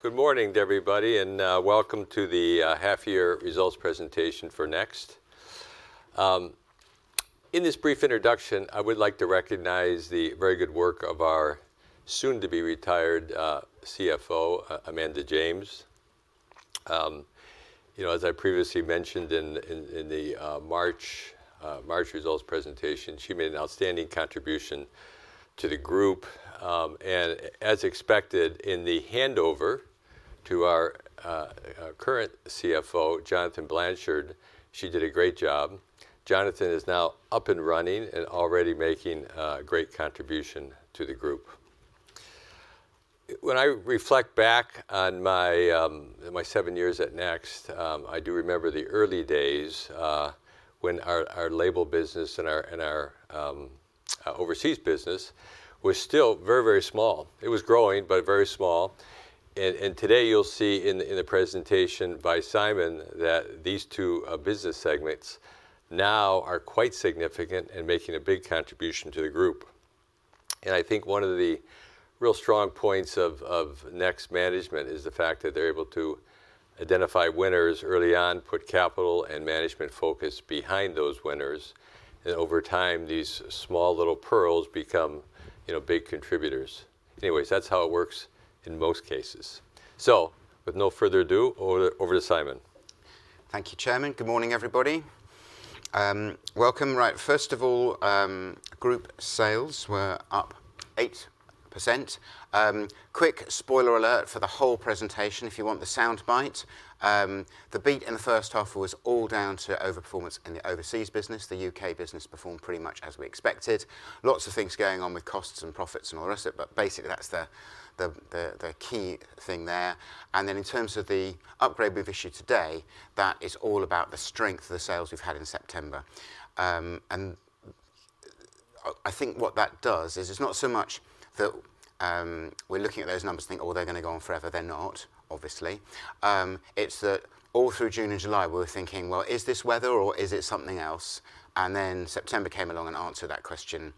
Good morning to everybody, and welcome to the half year results presentation for Next. In this brief introduction, I would like to recognize the very good work of our soon-to-be-retired CFO, Amanda James. You know, as I previously mentioned in the March results presentation, she made an outstanding contribution to the group, and as expected, in the handover to our current CFO, Jonathan Blanchard, she did a great job. Jonathan is now up and running and already making a great contribution to the group. When I reflect back on my seven years at Next, I do remember the early days, when our label business and our overseas business were still very, very small. It was growing, but very small. Today, you'll see in the presentation by Simon that these two business segments now are quite significant and making a big contribution to the group. I think one of the real strong points of Next management is the fact that they're able to identify winners early on, put capital and management focus behind those winners, and over time, these small little pearls become, you know, big contributors. Anyways, that's how it works in most cases. So with no further ado, over to Simon. Thank you, Chairman. Good morning, everybody, welcome. Right, first of all, group sales were up 8%. Quick spoiler alert for the whole presentation, if you want the soundbite, the beat in the first half was all down to overperformance in the overseas business. The UK business performed pretty much as we expected. Lots of things going on with costs and profits and all the rest of it, but basically, that's the key thing there. And then in terms of the upgrade we've issued today, that is all about the strength of the sales we've had in September, and I think what that does is it's not so much that we're looking at those numbers and think, "Oh, they're gonna go on forever." They're not, obviously. It's that all through June and July, we were thinking, 'Well, is this weather, or is it something else?' And then September came along and answered that question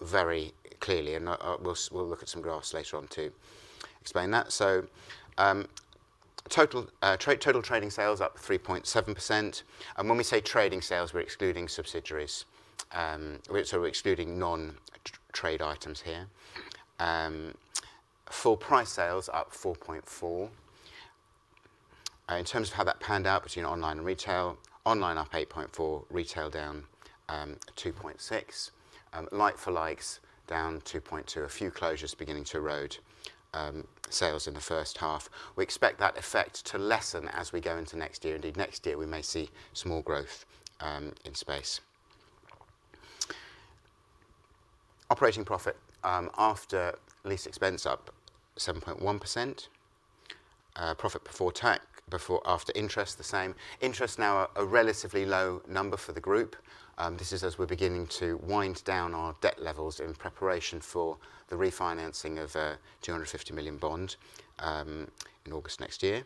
very clearly, and we'll look at some graphs later on to explain that. Total trading sales up 3.7%, and when we say trading sales, we're excluding subsidiaries, so we're excluding non-trade items here. Full price sales up 4.4%. In terms of how that panned out between online and retail, online up 8.4%, retail down 2.6%. Like-for-like down 2.2%. A few closures beginning to erode sales in the first half. We expect that effect to lessen as we go into next year. Indeed, next year, we may see small growth in space. Operating profit after lease expense, up 7.1%. Profit before tax, before, after interest, the same. Interest now a relatively low number for the group. This is as we're beginning to wind down our debt levels in preparation for the refinancing of a 250 million bond in August next year.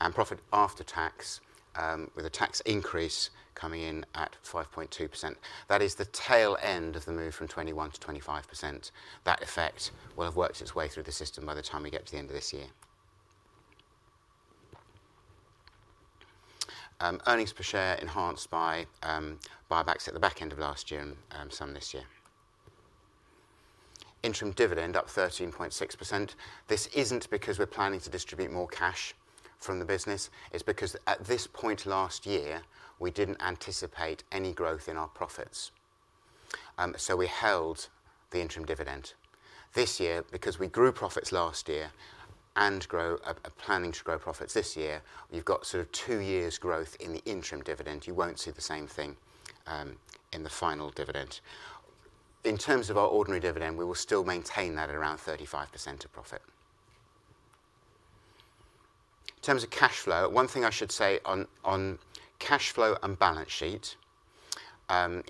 And profit after tax with a tax increase coming in at 5.2%. That is the tail end of the move from 21% to 25%. That effect will have worked its way through the system by the time we get to the end of this year. Earnings per share enhanced by buybacks at the back end of last year and some this year. Interim dividend up 13.6%. This isn't because we're planning to distribute more cash from the business. It's because at this point last year, we didn't anticipate any growth in our profits, so we held the interim dividend. This year, because we grew profits last year and planning to grow profits this year, we've got sort of two years' growth in the interim dividend. You won't see the same thing in the final dividend. In terms of our ordinary dividend, we will still maintain that at around 35% of profit. In terms of cash flow, one thing I should say on cash flow and balance sheet,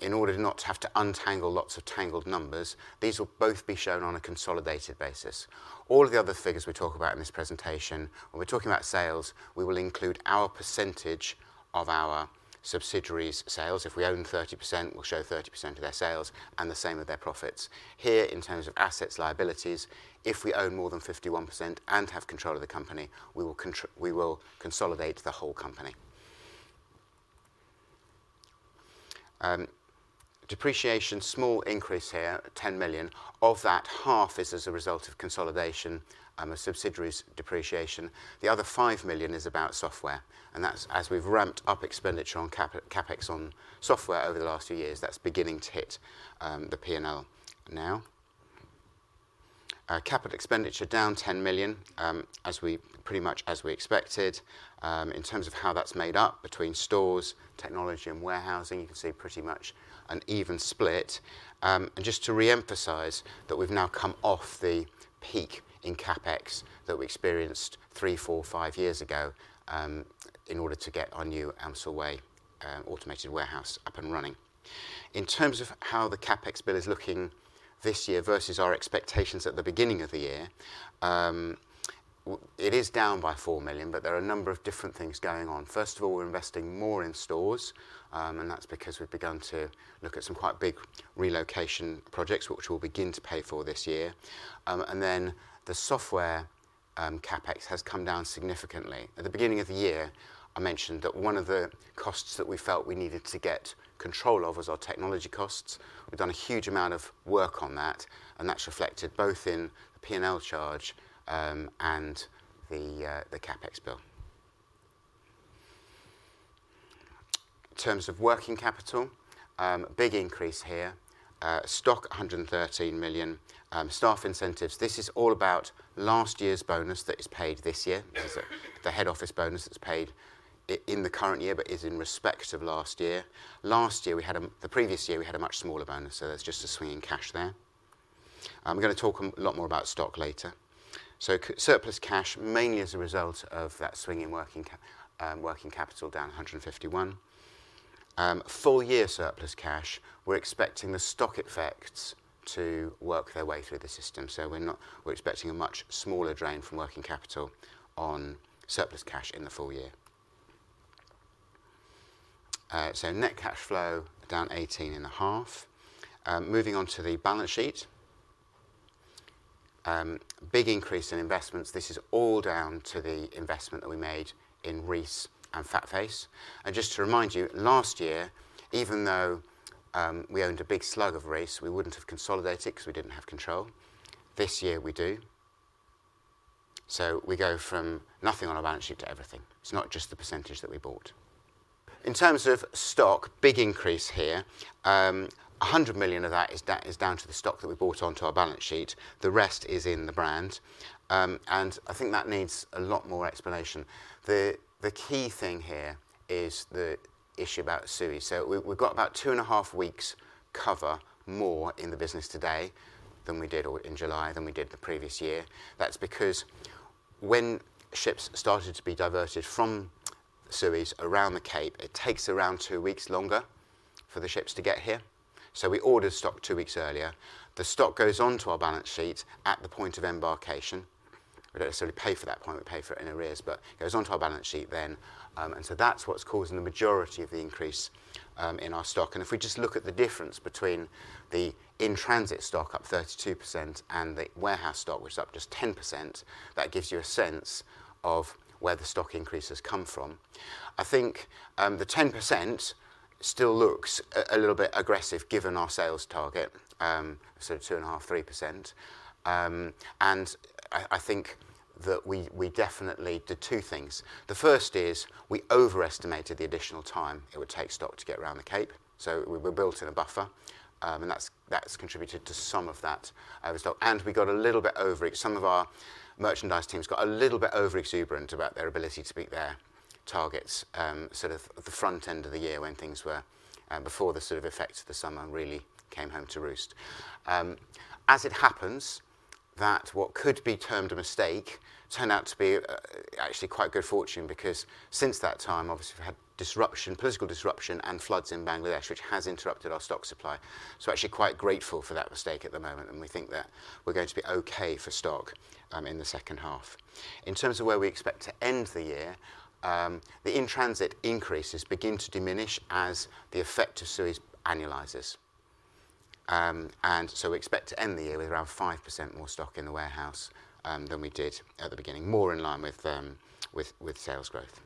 in order not to have to untangle lots of tangled numbers, these will both be shown on a consolidated basis. All of the other figures we talk about in this presentation, when we're talking about sales, we will include our percentage of our subsidiaries' sales. If we own 30%, we'll show 30% of their sales and the same of their profits. Here, in terms of assets, liabilities, if we own more than 51% and have control of the company, we will consolidate the whole company. Depreciation, small increase here, 10 million. Of that, half is as a result of consolidation and the subsidiaries' depreciation. The other 5 million is about software, and that's as we've ramped up expenditure on CapEx on software over the last few years, that's beginning to hit the P&L now. Capital expenditure down 10 million, as we pretty much expected. In terms of how that's made up between stores, technology, and warehousing, you can see pretty much an even split. And just to reemphasize that we've now come off the peak in CapEx that we experienced three, four, five years ago, in order to get our new Elmsall automated warehouse up and running. In terms of how the CapEx bill is looking this year versus our expectations at the beginning of the year, it is down by 4 million, but there are a number of different things going on. First of all, we're investing more in stores, and that's because we've begun to look at some quite big relocation projects, which we'll begin to pay for this year. And then the software CapEx has come down significantly. At the beginning of the year, I mentioned that one of the costs that we felt we needed to get control of was our technology costs. We've done a huge amount of work on that, and that's reflected both in the P&L charge, and the CapEx bill. In terms of working capital, big increase here. Stock, 113 million. Staff incentives, this is all about last year's bonus that is paid this year. 'Cause the head office bonus that's paid in the current year, but is in respect of last year. Last year, the previous year, we had a much smaller bonus, so that's just a swing in cash there. I'm gonna talk a lot more about stock later. So surplus cash, mainly as a result of that swing in working capital, down 151. Full year surplus cash, we're expecting the stock effects to work their way through the system, so we're expecting a much smaller drain from working capital on surplus cash in the full year. So net cash flow, down 18.5. Moving on to the balance sheet. Big increase in investments. This is all down to the investment that we made in Reiss and FatFace. And just to remind you, last year, even though we owned a big slug of Reiss, we wouldn't have consolidated it 'cause we didn't have control. This year, we do. So we go from nothing on our balance sheet to everything. It's not just the percentage that we bought. In terms of stock, big increase here. 100 million of that is down to the stock that we bought onto our balance sheet. The rest is in the brand, and I think that needs a lot more explanation. The key thing here is the issue about Suez. So we've got about two and a half weeks' cover more in the business today than we did in July than we did the previous year. That's because when ships started to be diverted from Suez around the Cape, it takes around two weeks longer for the ships to get here. So we ordered stock two weeks earlier. The stock goes onto our balance sheet at the point of embarkation. We don't necessarily pay for that point, we pay for it in arrears, but it goes onto our balance sheet then. And so that's what's causing the majority of the increase in our stock. And if we just look at the difference between the in-transit stock, up 32%, and the warehouse stock, which is up just 10%, that gives you a sense of where the stock increase has come from. I think the 10% still looks a little bit aggressive, given our sales target, so 2.5-3%. And I think that we definitely did two things. The first is, we overestimated the additional time it would take stock to get around the Cape, so we built in a buffer. And that's contributed to some of that overstock. And we got a little bit over-exuberant. Some of our merchandise teams got a little bit over-exuberant about their ability to meet their targets, sort of at the front end of the year when things were before the sort of effect of the summer really came home to roost. As it happens, that, what could be termed a mistake, turned out to be actually quite good fortune, because since that time, obviously, we've had disruption, political disruption and floods in Bangladesh, which has interrupted our stock supply. So we're actually quite grateful for that mistake at the moment, and we think that we're going to be okay for stock in the second half. In terms of where we expect to end the year, the in-transit increases begin to diminish as the effect of Suez annualizes. And so we expect to end the year with around 5% more stock in the warehouse than we did at the beginning, more in line with sales growth.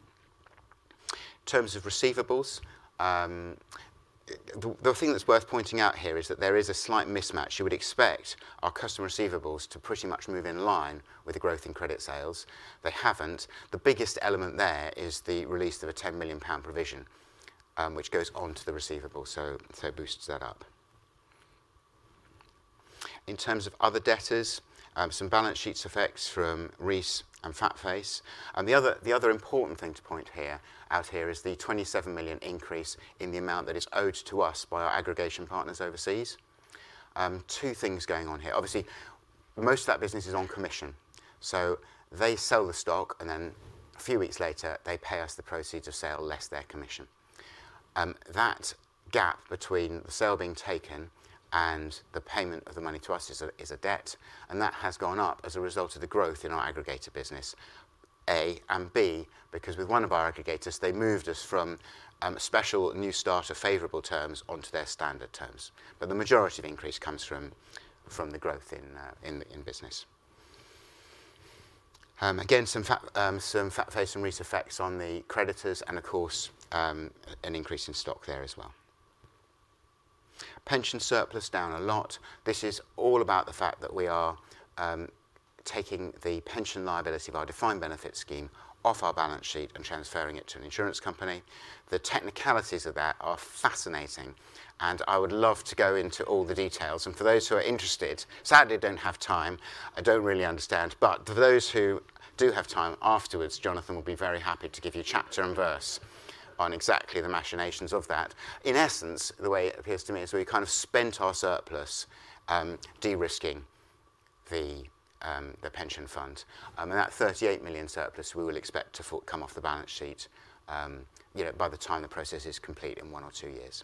In terms of receivables, the thing that's worth pointing out here is that there is a slight mismatch. You would expect our customer receivables to pretty much move in line with the growth in credit sales. They haven't. The biggest element there is the release of a 10 million pound provision, which goes onto the receivable, so it boosts that up. In terms of other debtors, some balance sheets effects from Reiss and FatFace. And the other important thing to point out here is the 27 million increase in the amount that is owed to us by our aggregation partners overseas. Two things going on here. Obviously, most of that business is on commission, so they sell the stock, and then a few weeks later, they pay us the proceeds of sale less their commission. That gap between the sale being taken and the payment of the money to us is a debt, and that has gone up as a result of the growth in our aggregator business. A and B, because with one of our aggregators, they moved us from special new starter favorable terms onto their standard terms. But the majority of the increase comes from the growth in business. Again, some FatFace and Reiss effects on the creditors and of course an increase in stock there as well. Pension surplus down a lot. This is all about the fact that we are taking the pension liability of our defined benefit scheme off our balance sheet and transferring it to an insurance company. The technicalities of that are fascinating, and I would love to go into all the details. For those who are interested, sadly, I don't have time. I don't really understand. For those who do have time, afterwards, Jonathan will be very happy to give you chapter and verse on exactly the machinations of that. In essence, the way it appears to me is we kind of spent our surplus de-risking the pension fund. And that 38 million surplus, we will expect to come off the balance sheet, you know, by the time the process is complete in 1 or 2 years.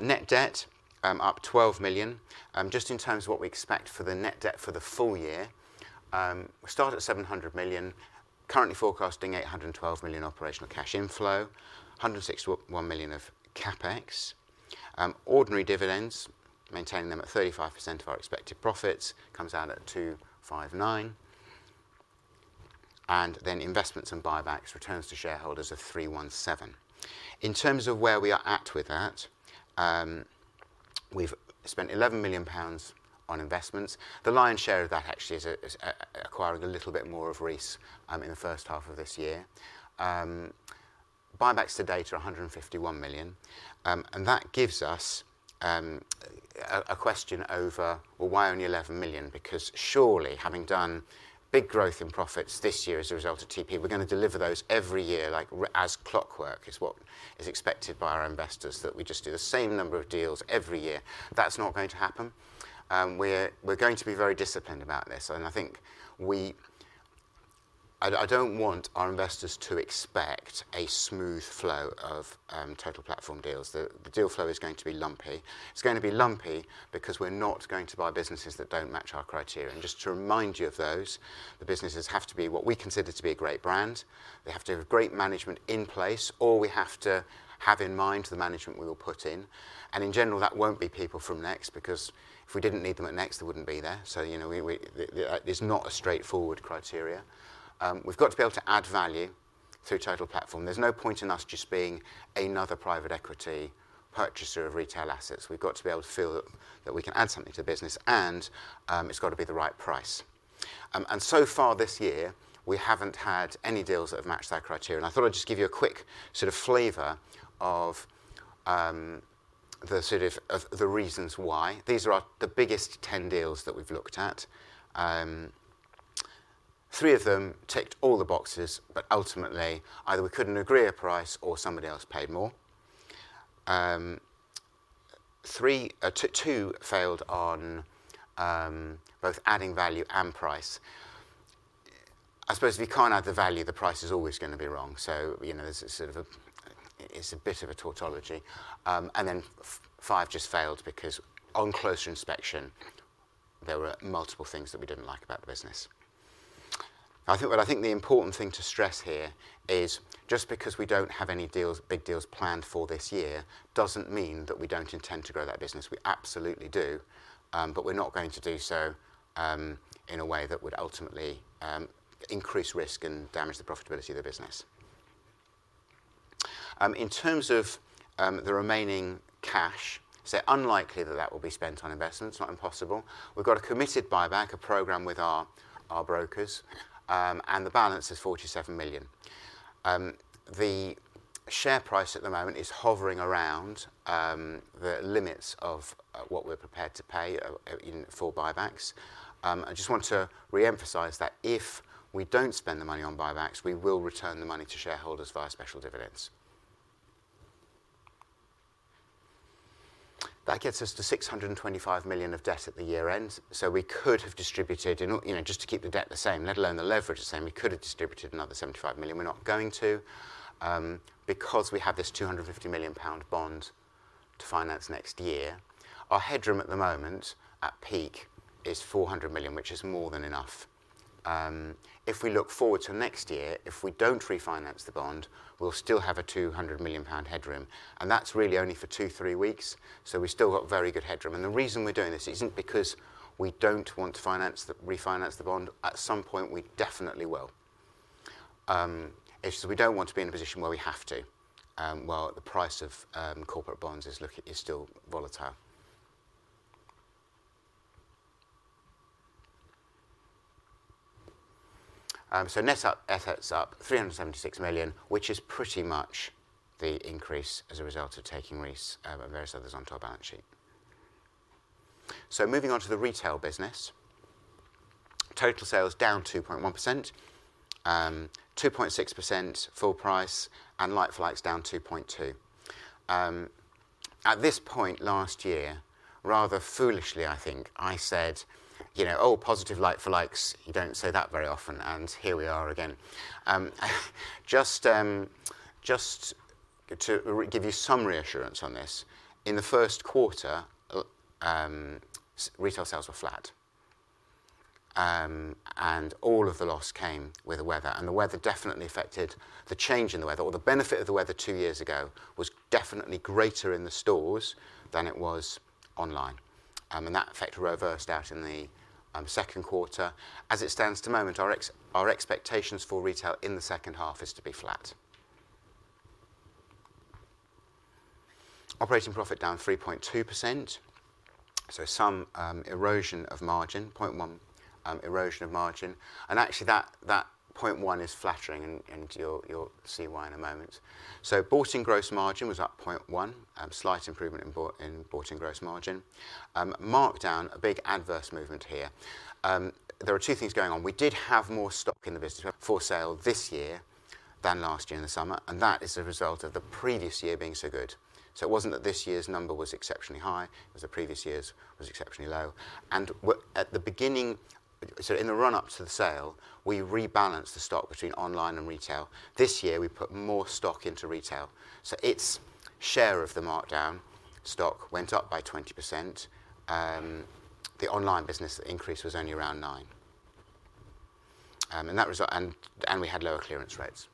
Net debt up 12 million. Just in terms of what we expect for the net debt for the full year, we started at 700 million, currently forecasting 812 million operational cash inflow, 161 million of CapEx. Ordinary dividends, maintaining them at 35% of our expected profits, comes out at 259 million. And then investments and buybacks, returns to shareholders of 317 million. In terms of where we are at with that, we've spent 11 million pounds on investments. The lion's share of that actually is acquiring a little bit more of Reiss in the first half of this year. Buybacks to date are 151 million. And that gives us a question over, well, why only 11 million? Because surely, having done big growth in profits this year as a result of TP, we're gonna deliver those every year, like as clockwork, is what is expected by our investors, that we just do the same number of deals every year. That's not going to happen. We're going to be very disciplined about this, and I think we I don't want our investors to expect a smooth flow of total platform deals. The deal flow is going to be lumpy. It's going to be lumpy because we're not going to buy businesses that don't match our criteria. Just to remind you of those, the businesses have to be what we consider to be a great brand. They have to have great management in place, or we have to have in mind the management we will put in. In general, that won't be people from Next, because if we didn't need them at Next, they wouldn't be there. So, you know, it's not a straightforward criteria. We've got to be able to add value through Total Platform. There's no point in us just being another private equity purchaser of retail assets. We've got to be able to feel that we can add something to the business, and it's got to be the right price. And so far this year, we haven't had any deals that have matched that criteria, and I thought I'd just give you a quick sort of flavor of the sort of reasons why. These are the biggest 10 deals that we've looked at. Three of them ticked all the boxes, but ultimately, either we couldn't agree a price or somebody else paid more. Three, two failed on both adding value and price. I suppose if you can't add the value, the price is always gonna be wrong, so, you know, this is sort of a, it's a bit of a tautology. And then five just failed because on closer inspection, there were multiple things that we didn't like about the business. But I think the important thing to stress here is, just because we don't have any deals, big deals planned for this year, doesn't mean that we don't intend to grow that business. We absolutely do, but we're not going to do so in a way that would ultimately increase risk and damage the profitability of the business. In terms of the remaining cash, so unlikely that that will be spent on investments, not impossible. We've got a committed buyback program with our brokers, and the balance is 47 million. The share price at the moment is hovering around the limits of what we're prepared to pay in full buybacks. I just want to reemphasize that if we don't spend the money on buybacks, we will return the money to shareholders via special dividends. That gets us to 625 million of debt at the year-end, so we could have distributed, you know, just to keep the debt the same, let alone the leverage the same, we could have distributed another 75 million. We're not going to, because we have this 250 million pound bond to finance next year. Our headroom at the moment, at peak, is 400 million GBP, which is more than enough. If we look forward to next year, if we don't refinance the bond, we'll still have a 200 million pound headroom, and that's really only for two, three weeks, so we've still got very good headroom. The reason we're doing this isn't because we don't want to refinance the bond. At some point, we definitely will. It's just we don't want to be in a position where we have to while the price of corporate bonds is still volatile. Net assets up 376 million GBP, which is pretty much the increase as a result of taking Reiss and various others onto our balance sheet. Moving on to the retail business. Total sales down 2.1%, 2.6% full price, and like for likes down 2.2%. At this point last year, rather foolishly, I think, I said, "You know, oh, positive like for likes, you don't say that very often," and here we are again. Just, just to give you some reassurance on this, in the first quarter, retail sales were flat, and all of the loss came with the weather, and the weather definitely affected... The change in the weather or the benefit of the weather two years ago was definitely greater in the stores than it was online. And that effect reversed out in the second quarter. As it stands at the moment, our expectations for retail in the second half is to be flat. Operating profit down 3.2%, so some erosion of margin, 0.1 point erosion of margin, and actually, that 0.1 point is flattering, and you'll see why in a moment. So bought-in gross margin was up 0.1 point, slight improvement in bought-in gross margin. Markdown, a big adverse movement here. There are two things going on. We did have more stock in the business for sale this year than last year in the summer, and that is a result of the previous year being so good. So it wasn't that this year's number was exceptionally high, it was the previous year's was exceptionally low. And at the beginning, so in the run-up to the sale, we rebalanced the stock between online and retail. This year, we put more stock into retail, so its share of the markdown stock went up by 20%, the online business increase was only around 9%. That result, we had lower clearance rates.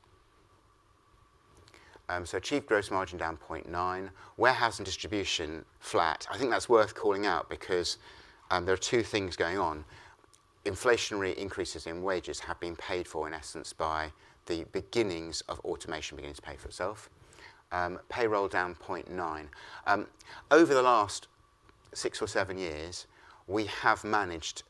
So achieved gross margin down 0.9, warehouse and distribution flat. I think that's worth calling out because there are two things going on. Inflationary increases in wages have been paid for, in essence, by the beginnings of automation beginning to pay for itself. Payroll down 0.9. Over the last six or seven years, we have managed,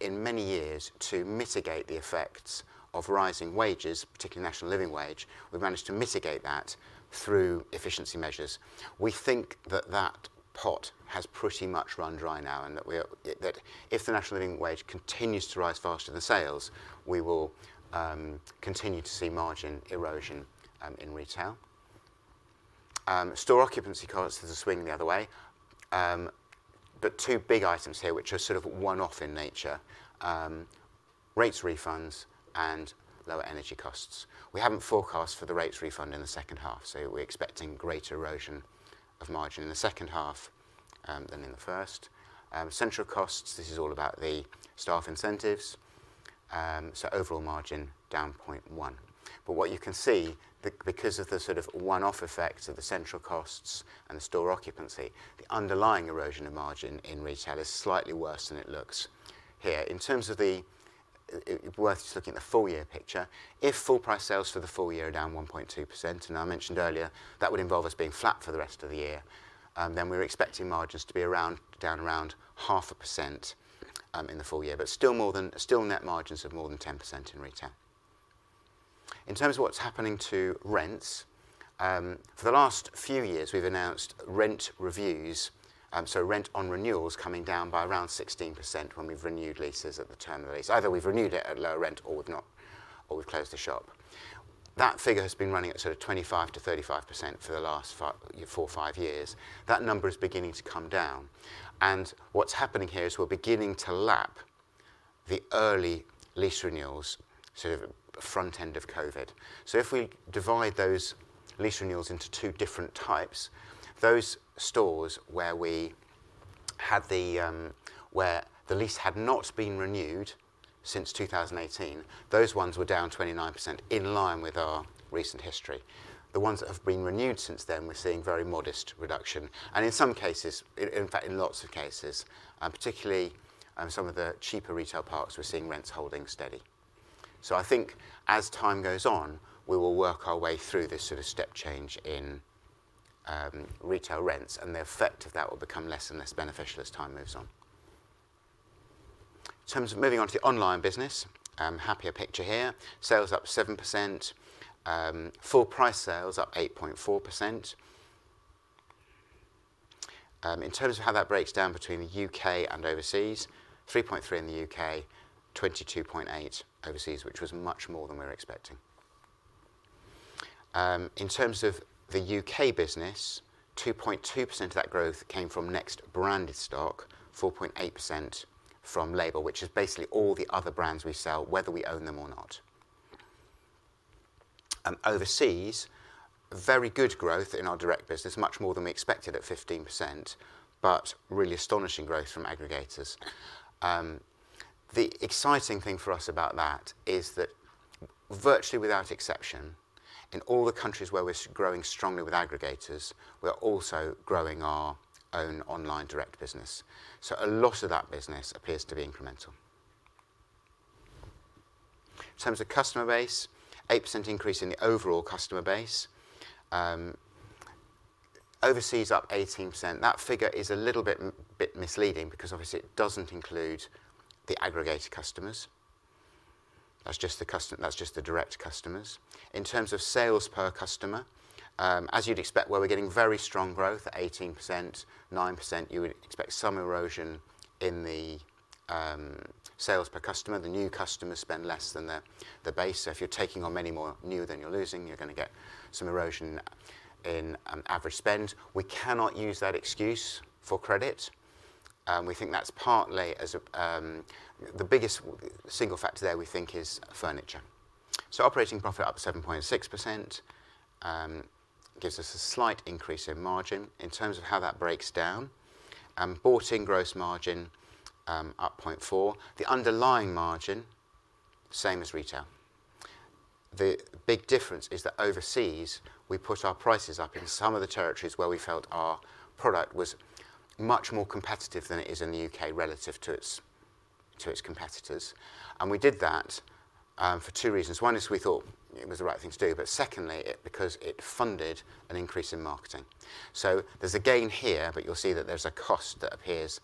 in many years to mitigate the effects of rising wages, particularly National Living Wage. We've managed to mitigate that through efficiency measures. We think that that pot has pretty much run dry now, and that if the National Living Wage continues to rise faster than sales, we will continue to see margin erosion in retail. Store occupancy costs is a swing the other way. But two big items here, which are sort of one-off in nature, rates refunds and lower energy costs. We haven't forecast for the rates refund in the second half, so we're expecting greater erosion of margin in the second half than in the first. Central costs, this is all about the staff incentives. So overall margin down point one. But what you can see, because of the sort of one-off effects of the central costs and the store occupancy, the underlying erosion of margin in retail is slightly worse than it looks here. In terms of it worth just looking at the full year picture. If full price sales for the full year are down 1.2%, and I mentioned earlier, that would involve us being flat for the rest of the year, then we're expecting margins to be around, down around 0.5%, in the full year, but still net margins of more than 10% in retail. In terms of what's happening to rents, for the last few years, we've announced rent reviews. So rent on renewals coming down by around 16% when we've renewed leases at the term of the lease. Either we've renewed it at lower rent or we've not, or we've closed the shop. That figure has been running at sort of 25%-35% for the last four, five years. That number is beginning to come down, and what's happening here is we're beginning to lap the early lease renewals, sort of front end of COVID. So if we divide those lease renewals into two different types, those stores where we had the where the lease had not been renewed since two thousand and eighteen, those ones were down 29% in line with our recent history. The ones that have been renewed since then, we're seeing very modest reduction, and in some cases, in fact, in lots of cases, particularly some of the cheaper retail parks, we're seeing rents holding steady. So I think as time goes on, we will work our way through this sort of step change in retail rents, and the effect of that will become less and less beneficial as time moves on. In terms of moving on to the online business, happier picture here. Sales up 7%, full price sales up 8.4%. In terms of how that breaks down between the UK and overseas, 3.3% in the UK, 22.8% overseas, which was much more than we were expecting. In terms of the UK business, 2.2% of that growth came from Next branded stock, 4.8% from label, which is basically all the other brands we sell, whether we own them or not. Overseas, very good growth in our direct business, much more than we expected at 15%, but really astonishing growth from aggregators. The exciting thing for us about that is that virtually without exception, in all the countries where we're growing strongly with aggregators, we're also growing our own online direct business. So a lot of that business appears to be incremental. In terms of customer base, 8% increase in the overall customer base. Overseas, up 18%. That figure is a little bit misleading because obviously it doesn't include the aggregator customers. That's just the direct customers. In terms of sales per customer, as you'd expect, where we're getting very strong growth, at 18%, 9%, you would expect some erosion in the sales per customer. The new customers spend less than the base. So if you're taking on many more new than you're losing, you're gonna get some erosion in average spend. We cannot use that excuse for credit, and we think that's partly as a, the biggest single factor there, we think, is furniture. So operating profit up 7.6% gives us a slight increase in margin. In terms of how that breaks down, bought-in gross margin up 0.4. The underlying margin, same as retail. The big difference is that overseas, we put our prices up in some of the territories where we felt our product was much more competitive than it is in the UK, relative to its, to its competitors, and we did that for two reasons. One is we thought it was the right thing to do, but secondly, it because it funded an increase in marketing. So there's a gain here, but you'll see that there's a cost that appears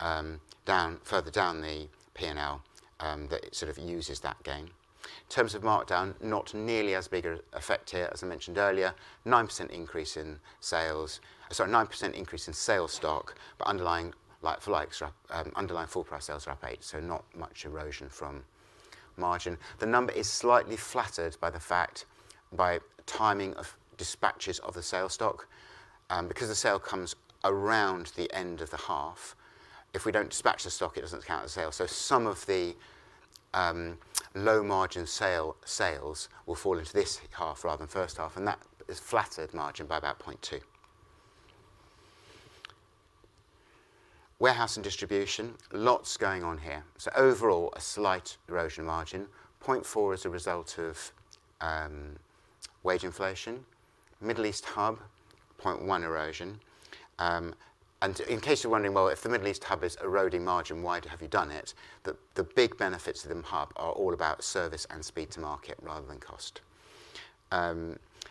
down further down the P&L that it sort of uses that gain. In terms of markdown, not nearly as big an effect here, as I mentioned earlier, 9% increase in sales. Sorry, 9% increase in sale stock, but underlying like-for-like underlying full price sales are up 8%, so not much erosion from margin. The number is slightly flattered by the fact, by timing of dispatches of the sale stock. Because the sale comes around the end of the half, if we don't dispatch the stock, it doesn't count as sale. So some of the low-margin sales will fall into this half rather than first half, and that has flattered margin by about 0.2. Warehouse and distribution, lots going on here. Overall, a slight erosion margin, point four as a result of wage inflation. Middle East hub, point one erosion. And in case you're wondering, well, if the Middle East hub is eroding margin, why have you done it? The, the big benefits of the hub are all about service and speed to market, rather than cost.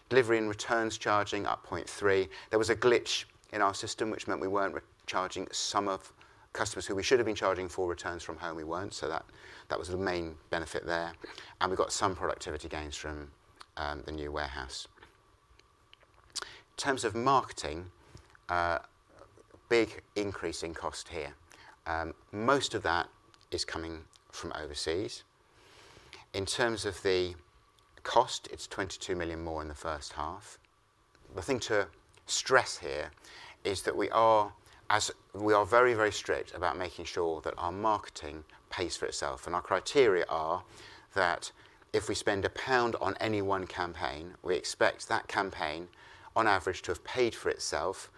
Delivery and returns charging up point three. There was a glitch in our system, which meant we weren't recharging some of our customers who we should have been charging for returns from home, we weren't. So that, that was the main benefit there, and we got some productivity gains from the new warehouse. In terms of marketing, a big increase in cost here. Most of that is coming from overseas. In terms of the cost, it's 22 million more in the first half. The thing to stress here is that we are very, very strict about making sure that our marketing pays for itself, and our criteria are that if we spend £1 on any one campaign, we expect that campaign, on average, to have paid for itself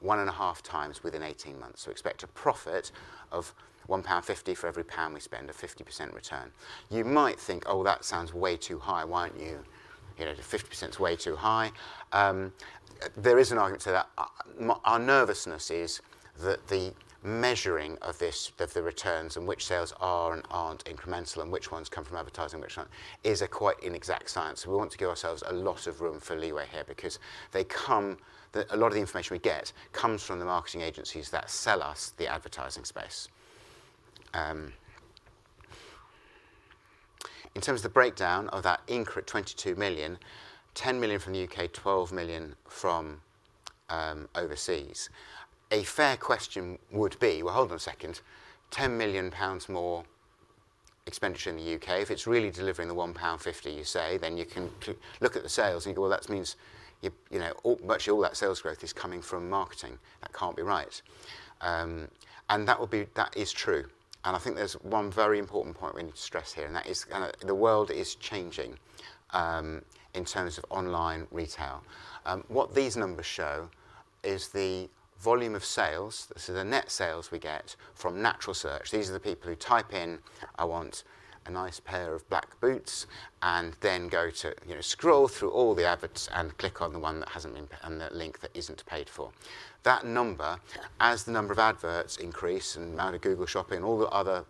one and a half times within 18 months. So we expect a profit of £1.50 for every £1 we spend, a 50% return. You might think, "Oh, that sounds way too high. Why aren't you... You know, 50% is way too high?" There is an argument to that. Our nervousness is that the measuring of this, of the returns and which sales are and aren't incremental, and which ones come from advertising, which one, is a quite inexact science. So we want to give ourselves a lot of room for leeway here, because a lot of the information we get comes from the marketing agencies that sell us the advertising space. In terms of the breakdown of that increase at 22 million GBP, 10 million GBP from the U.K., 12 million GBP from overseas. A fair question would be, well, hold on a second, 10 million pounds more expenditure in the U.K. If it's really delivering the 1.50 pound, you say, then you can look at the sales and go, well, that means you, you know, all, much of all that sales growth is coming from marketing. That can't be right. And that is true, and I think there's one very important point we need to stress here, and that is, the world is changing in terms of online retail. What these numbers show is the volume of sales, so the net sales we get from natural search. These are the people who type in, "I want a nice pair of black boots," and then go to, you know, scroll through all the adverts and click on the one that has a link that isn't paid for. That number, as the number of adverts increase and the amount of Google Shopping, all the other,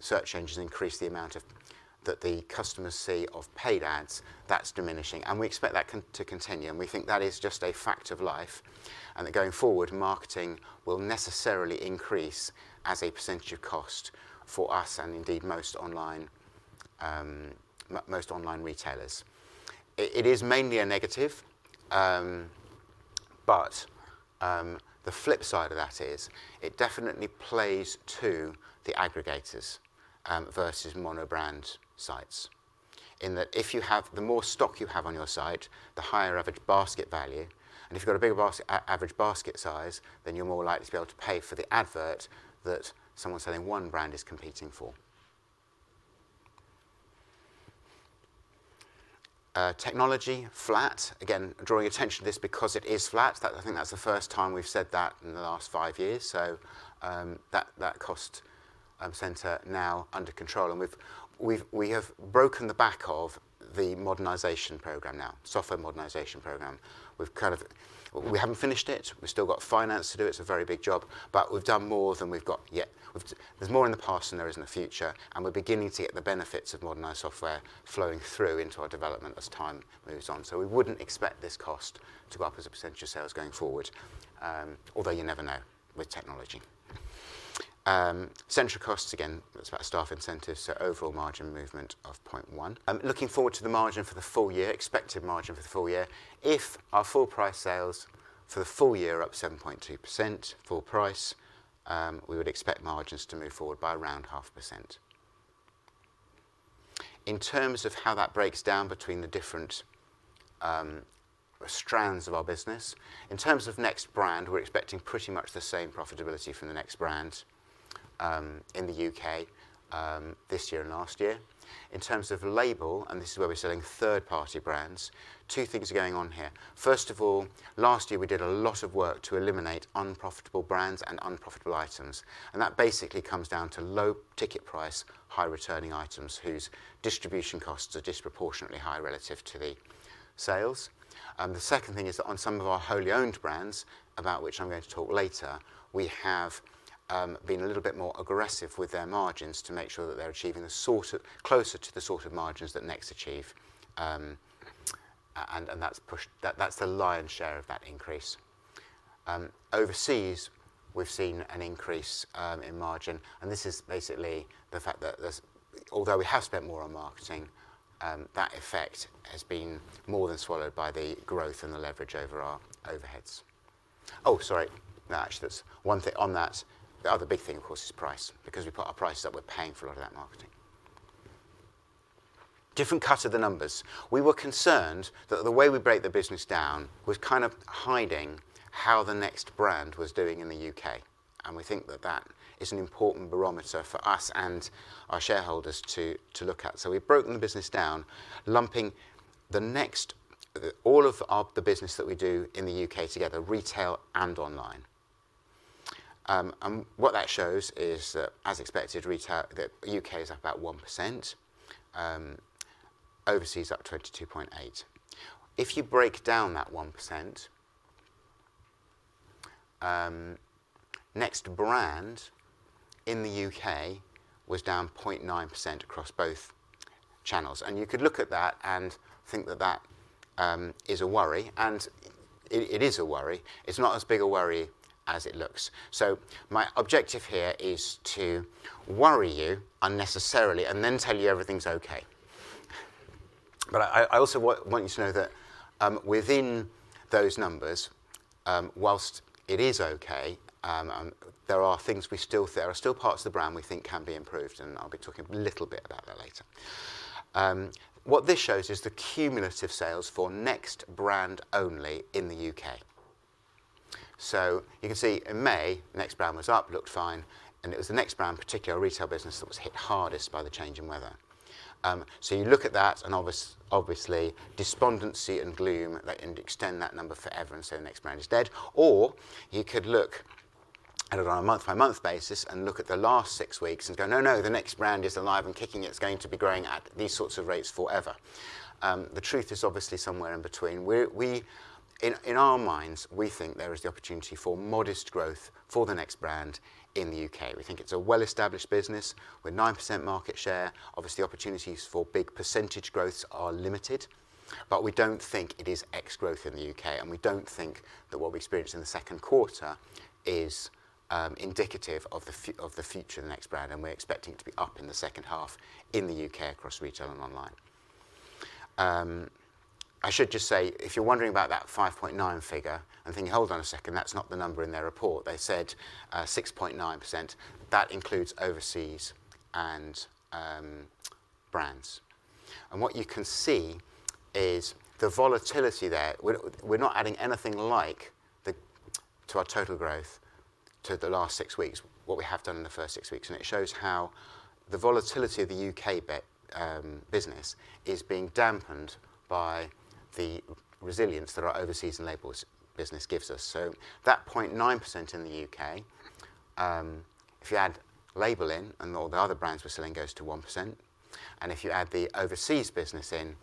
search engines increase the amount of, that the customers see of paid ads, that's diminishing, and we expect that to continue, and we think that is just a fact of life, and that going forward, marketing will necessarily increase as a percentage of cost for us and indeed most online, most online retailers. It is mainly a negative, but the flip side of that is it definitely plays to the aggregators versus mono brand sites, in that if you have the more stock you have on your site, the higher average basket value, and if you've got a bigger average basket size, then you're more likely to be able to pay for the advert that someone selling one brand is competing for. Technology, flat. Again, drawing attention to this because it is flat. That, I think that's the first time we've said that in the last five years, so that cost center now under control, and we have broken the back of the modernization program now, software modernization program. We've kind of. We haven't finished it. We've still got finance to do. It's a very big job, but we've done more than we've got yet. We've. There's more in the past than there is in the future, and we're beginning to get the benefits of modernized software flowing through into our development as time moves on. So we wouldn't expect this cost to go up as a percentage of sales going forward, although you never know with technology. Central costs, again, that's about staff incentives, so overall margin movement of point one. Looking forward to the margin for the full year, expected margin for the full year, if our full price sales for the full year are up 7.2% full price, we would expect margins to move forward by around 0.5%. In terms of how that breaks down between the different strands of our business, in terms of Next brand, we're expecting pretty much the same profitability from the Next brand in the UK this year and last year. In terms of label, and this is where we're selling third-party brands, two things are going on here. First of all, last year, we did a lot of work to eliminate unprofitable brands and unprofitable items, and that basically comes down to low ticket price, high returning items, whose distribution costs are disproportionately high relative to the sales. The second thing is that on some of our wholly owned brands, about which I'm going to talk later, we have been a little bit more aggressive with their margins to make sure that they're achieving the sort of margins closer to the sort of margins that Next achieve. And that's pushed. That's the lion's share of that increase. Overseas, we've seen an increase in margin, and this is basically the fact that there's, although we have spent more on marketing, that effect has been more than swallowed by the growth and the leverage over our overheads. Oh, sorry. No, actually, there's one thing on that. The other big thing, of course, is price, because we put our prices up, we're paying for a lot of that marketing. Different cut of the numbers. We were concerned that the way we break the business down was kind of hiding how the Next brand was doing in the UK, and we think that that is an important barometer for us and our shareholders to look at. So we've broken the business down, lumping the Next, all of our the business that we do in the UK together, retail and online. And what that shows is that, as expected, retail, the UK is up about 1%. Overseas, up 22.8%. If you break down that 1%, Next brand in the UK was down 0.9% across both channels, and you could look at that and think that that is a worry, and it is a worry. It's not as big a worry as it looks. So my objective here is to worry you unnecessarily and then tell you everything's okay. But I also want you to know that, within those numbers, whilst it is okay, there are still parts of the brand we think can be improved, and I'll be talking a little bit about that later. What this shows is the cumulative sales for Next brand only in the UK. So you can see in May, Next brand was up, looked fine, and it was the Next brand, particularly our retail business, that was hit hardest by the change in weather. So you look at that, and obviously, despondency and gloom that and extend that number forever and say Next brand is dead. Or you could look at it on a month-by-month basis and look at the last six weeks and go, "No, no, the Next brand is alive and kicking. It's going to be growing at these sorts of rates forever." The truth is obviously somewhere in between. In our minds, we think there is the opportunity for modest growth for the Next brand in the U.K. We think it's a well-established business with 9% market share. Obviously, opportunities for big percentage growths are limited, but we don't think it is ex-growth in the U.K., and we don't think that what we experienced in the second quarter is indicative of the future of Next brand, and we're expecting it to be up in the second half in the U.K. across retail and online. I should just say, if you're wondering about that 5.9 figure and thinking, "Hold on a second, that's not the number in their report. They said 6.9%," that includes overseas and brands. What you can see is the volatility there. We're not adding anything like the to our total growth to the last six weeks, what we have done in the first six weeks, and it shows how the volatility of the U.K. business is being dampened by the resilience that our overseas and labels business gives us. So that 0.9% in the U.K., if you add label in and all the other brands we're selling goes to 1%, and if you add the overseas business in,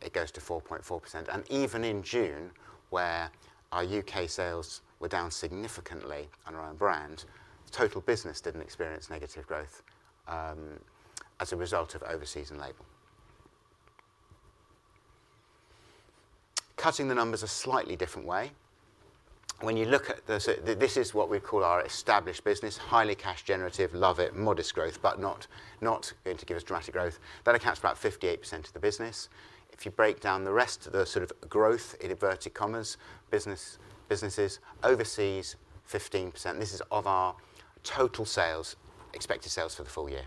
it goes to 4.4%. And even in June, where our U.K. sales were down significantly on our own brand, total business didn't experience negative growth, as a result of overseas and label. Cutting the numbers in a slightly different way, when you look at the sort... This is what we call our established business, highly cash generative, love it, modest growth, but not going to give us dramatic growth. That accounts for about 58% of the business. If you break down the rest of the sort of growth, in inverted commas, business, businesses, overseas, 15%. This is of our total sales, expected sales for the full year.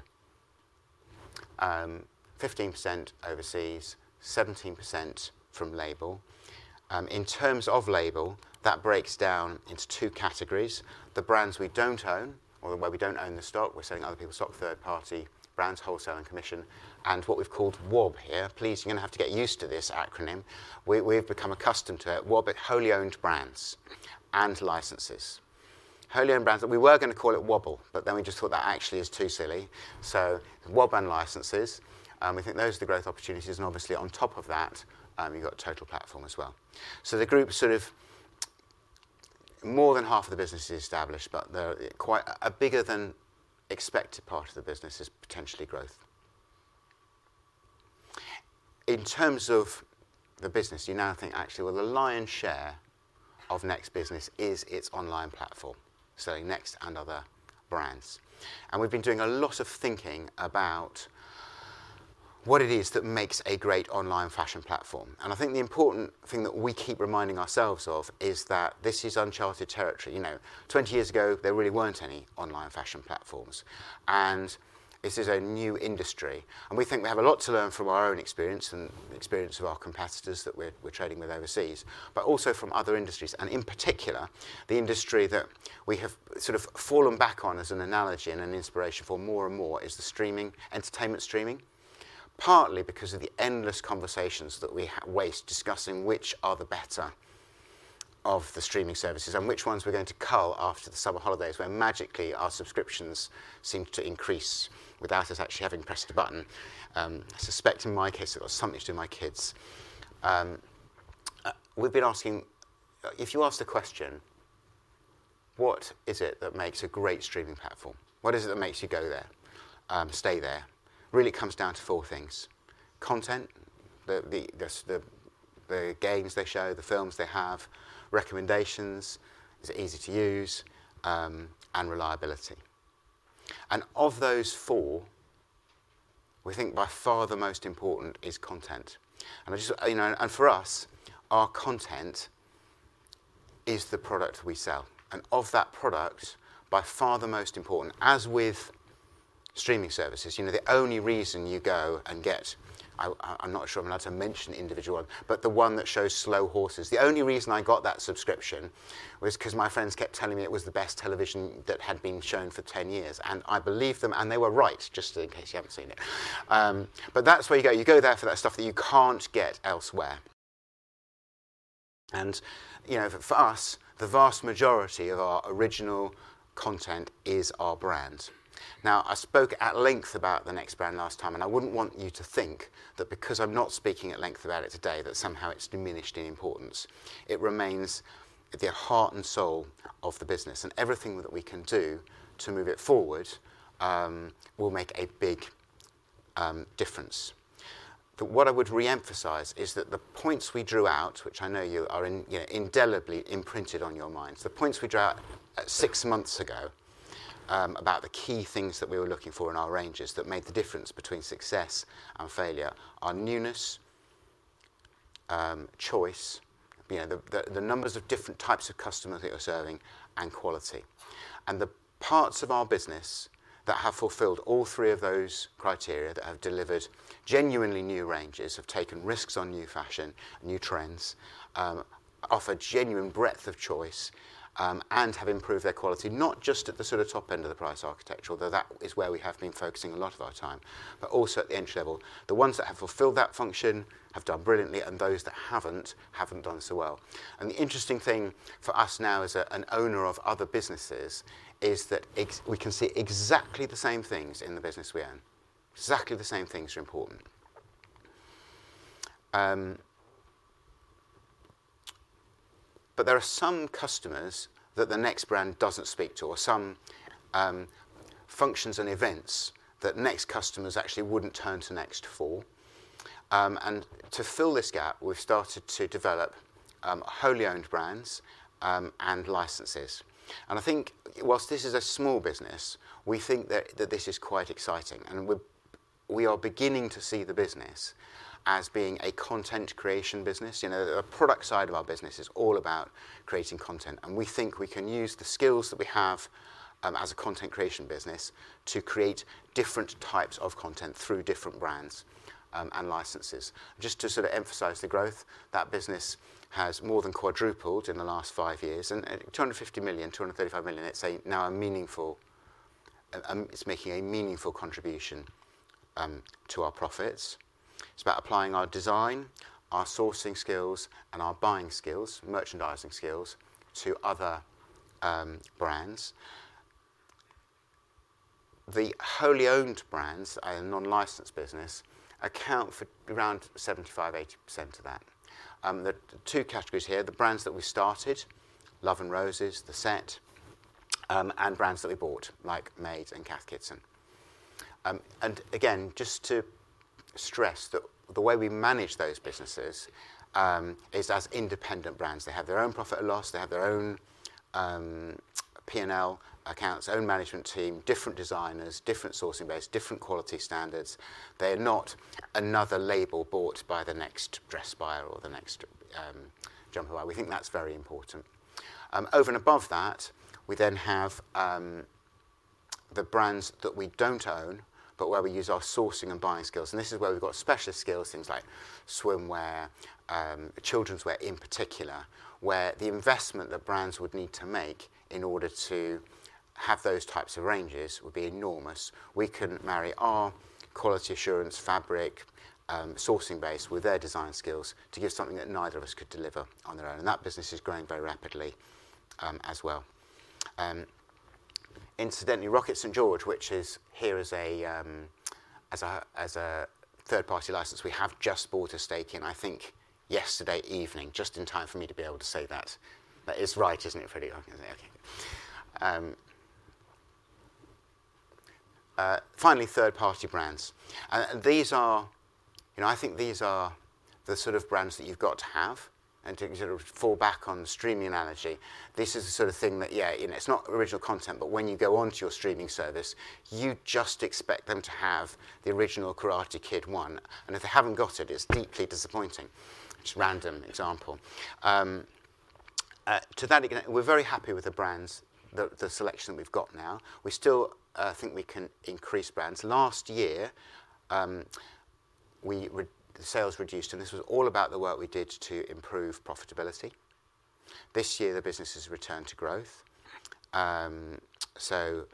15% overseas, 17% from label. In terms of label, that breaks down into two categories: the brands we don't own or where we don't own the stock, we're selling other people's stock, third party brands, wholesale and commission, and what we've called WOB here. Please, you're gonna have to get used to this acronym. We, we've become accustomed to it. WOB is wholly owned brands and licenses. Wholly owned brands... We were gonna call it Wobble, but then we just thought that actually is too silly. So WOB and licenses, we think those are the growth opportunities, and obviously, on top of that, you've got total platform as well. So the group sort of more than half of the business is established, but there are quite a bigger-than-expected part of the business is potentially growth. In terms of the business, you now think, actually, well, the lion's share of Next business is its online platform, selling Next and other brands. And we've been doing a lot of thinking about what it is that makes a great online fashion platform, and I think the important thing that we keep reminding ourselves of is that this is uncharted territory. You know, twenty years ago, there really weren't any online fashion platforms, and this is a new industry, and we think we have a lot to learn from our own experience and the experience of our competitors that we're, we're trading with overseas, but also from other industries, and in particular, the industry that we have sort of fallen back on as an analogy and an inspiration for more and more is the streaming, entertainment streaming. Partly because of the endless conversations that we have wasted discussing which are the better of the streaming services and which ones we're going to cull after the summer holidays, where magically our subscriptions seem to increase without us actually having pressed a button. I suspect in my case, it got something to do with my kids. We've been asking, if you ask the question: What is it that makes a great streaming platform? What is it that makes you go there, stay there? Really comes down to four things: content, the games they show, the films they have, recommendations, is it easy to use, and reliability. And of those four, we think by far the most important is content. And I just, you know. And for us, our content is the product we sell. And of that product, by far the most important, as with streaming services, you know, the only reason you go and get, I, I'm not sure I'm allowed to mention individual one, but the one that shows Slow Horses. The only reason I got that subscription was 'cause my friends kept telling me it was the best television that had been shown for 10 years. And I believed them, and they were right, just in case you haven't seen it. But that's where you go. You go there for that stuff that you can't get elsewhere. And, you know, for us, the vast majority of our original content is our brand. Now, I spoke at length about the Next brand last time, and I wouldn't want you to think that because I'm not speaking at length about it today, that somehow it's diminished in importance. It remains the heart and soul of the business, and everything that we can do to move it forward, will make a big, difference. But what I would reemphasize is that the points we drew out, which I know you are in, you know, indelibly imprinted on your minds. The points we drew out six months ago, about the key things that we were looking for in our ranges that made the difference between success and failure, are newness, choice, you know, the numbers of different types of customers that you're serving, and quality. And the parts of our business that have fulfilled all three of those criteria, that have delivered genuinely new ranges, have taken risks on new fashion, new trends, offer genuine breadth of choice, and have improved their quality, not just at the sort of top end of the price architecture, although that is where we have been focusing a lot of our time, but also at the entry level. The ones that have fulfilled that function have done brilliantly, and those that haven't, haven't done so well. And the interesting thing for us now as an owner of other businesses, is that we can see exactly the same things in the business we own. Exactly the same things are important. But there are some customers that the Next brand doesn't speak to, or some functions and events that Next customers actually wouldn't turn to Next for. And to fill this gap, we've started to develop wholly owned brands, and licenses. And I think whilst this is a small business, we think that this is quite exciting, and we are beginning to see the business as being a content creation business. You know, the product side of our business is all about creating content, and we think we can use the skills that we have, as a content creation business to create different types of content through different brands, and licenses. Just to sort of emphasize the growth, that business has more than quadrupled in the last five years, and 250 million, 235 million, let's say, now a meaningful. It's making a meaningful contribution to our profits. It's about applying our design, our sourcing skills, and our buying skills, merchandising skills, to other brands. The wholly owned brands and non-licensed business account for around 75%-80% of that. The two categories here, the brands that we started, Love & Roses, The Set, and brands that we bought, like MADE and Cath Kidston. And again, just to stress that the way we manage those businesses is as independent brands. They have their own profit and loss, they have their own P&L accounts, own management team, different designers, different sourcing base, different quality standards. They're not another label bought by the Next dress buyer or the Next jumper buyer. We think that's very important. Over and above that, we then have the brands that we don't own, but where we use our sourcing and buying skills. And this is where we've got specialist skills, things like swimwear, children's wear in particular, where the investment that brands would need to make in order to have those types of ranges would be enormous. We can marry our quality assurance fabric sourcing base with their design skills to give something that neither of us could deliver on their own. And that business is growing very rapidly, as well. Incidentally, Rockett St George, which is here as a third-party license, we have just bought a stake in, I think, yesterday evening, just in time for me to be able to say that. That is right, isn't it, Freddy? Okay. Finally, third-party brands. These are... You know, I think these are the sort of brands that you've got to have, and to sort of fall back on the streaming analogy, this is the sort of thing that, yeah, you know, it's not original content, but when you go onto your streaming service, you just expect them to have the original Karate Kid One, and if they haven't got it, it's deeply disappointing. Just a random example. To that, again, we're very happy with the brands, the selection we've got now. We still think we can increase brands. Last year, we... The sales reduced, and this was all about the work we did to improve profitability. This year, the business has returned to growth. So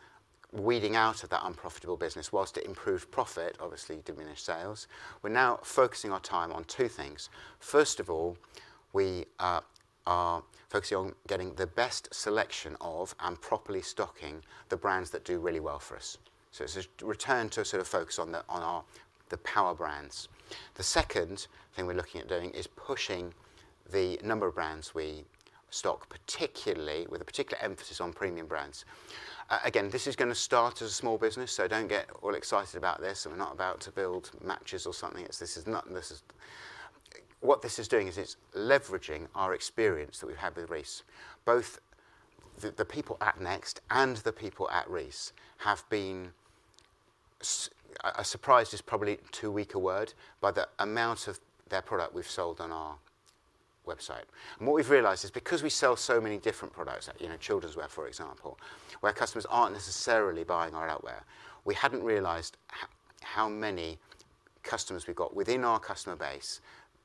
weeding out of that unprofitable business was to improve profit, obviously, diminish sales. We're now focusing our time on two things. First of all, we are focusing on getting the best selection of, and properly stocking, the brands that do really well for us. So it's a return to sort of focus on the power brands. The second thing we're looking at doing is pushing the number of brands we stock, particularly, with a particular emphasis on premium brands. Again, this is gonna start as a small business, so don't get all excited about this, and we're not about to build Matches or something. It's not. What this is doing is it's leveraging our experience that we've had with Reiss. Both the people at Next and the people at Reiss have been surprised. "Surprised" is probably too weak a word, by the amount of their product we've sold on our website. And what we've realized is because we sell so many different products, you know, children's wear, for example, where customers aren't necessarily buying our outerwear, we hadn't realized how many customers we've got within our customer base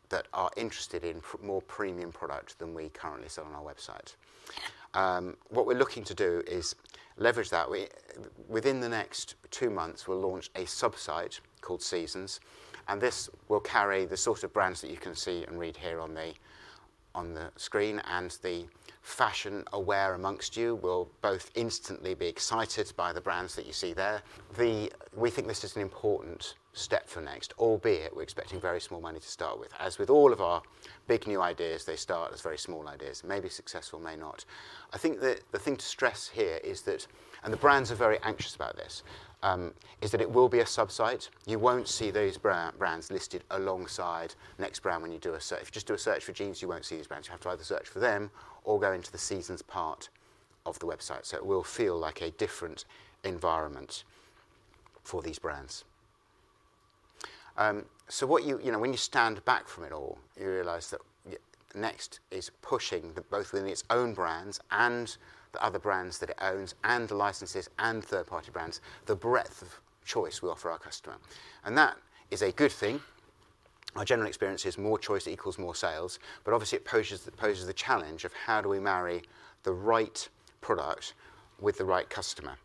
that are interested in more premium product than we currently sell on our website. What we're looking to do is leverage that. We, within the next two months, we'll launch a sub-site called Seasons, and this will carry the sort of brands that you can see and read here on the screen, and the fashion aware amongst you will both instantly be excited by the brands that you see there. We think this is an important step for Next, albeit we're expecting very small money to start with. As with all of our big, new ideas, they start as very small ideas, may be successful, may not. I think the thing to stress here is that, and the brands are very anxious about this, is that it will be a sub-site. You won't see those brands listed alongside Next brand when you do a search. If you just do a search for jeans, you won't see these brands. You have to either search for them or go into the Seasons part of the website, so it will feel like a different environment for these brands. So, you know, when you stand back from it all, you realize that Next is pushing the, both within its own brands and the other brands that it owns, and the licenses and third-party brands, the breadth of choice we offer our customer, and that is a good thing. Our general experience is more choice equals more sales, but obviously, it poses the challenge of: How do we marry the right product with the right customer?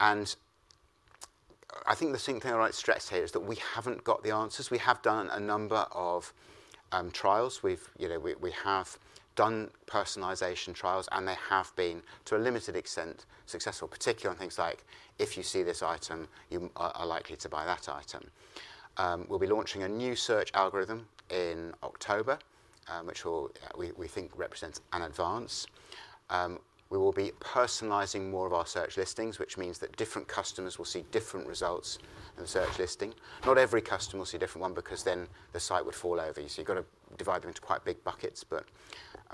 And I think the single thing I'd like to stress here is that we haven't got the answers. We have done a number of trials. We've, you know, we have done personalization trials, and they have been, to a limited extent, successful, particularly on things like, if you see this item, you are likely to buy that item. We'll be launching a new search algorithm in October, which we think represents an advance. We will be personalizing more of our search listings, which means that different customers will see different results in the search listing. Not every customer will see a different one, because then the site would fall over. So you've got to divide them into quite big buckets, but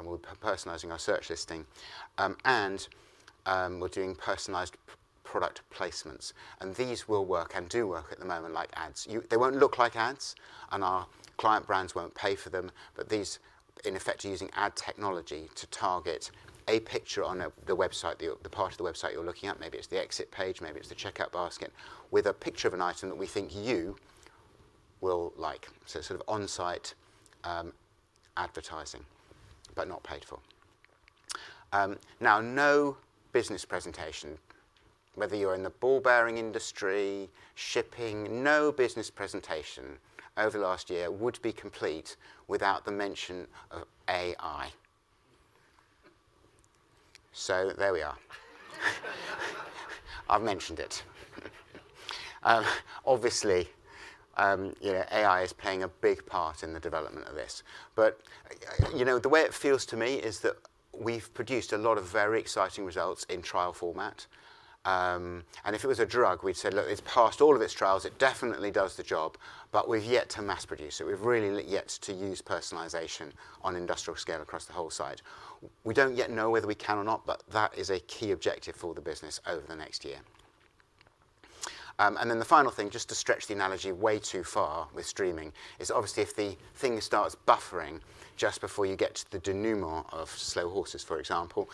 we're personalizing our search listing, and we're doing personalized product placements, and these will work and do work at the moment, like ads. You... They won't look like ads, and our client brands won't pay for them, but these, in effect, are using ad technology to target a picture on the website, the part of the website you're looking at, maybe it's the exit page, maybe it's the checkout basket, with a picture of an item that we think you will like, so sort of on-site advertising, but not paid for. Now, no business presentation, whether you're in the ball bearing industry, shipping, no business presentation over the last year would be complete without the mention of AI. So there we are. I've mentioned it. Obviously, you know, AI is playing a big part in the development of this. But you know, the way it feels to me is that we've produced a lot of very exciting results in trial format. And if it was a drug, we'd say, "Look, it's passed all of its trials. It definitely does the job," but we've yet to mass produce it. We've really yet to use personalization on industrial scale across the whole site. We don't yet know whether we can or not, but that is a key objective for the business over the next year. And then the final thing, just to stretch the analogy way too far with streaming, is obviously, if the thing starts buffering just before you get to the denouement of Slow Horses, for example,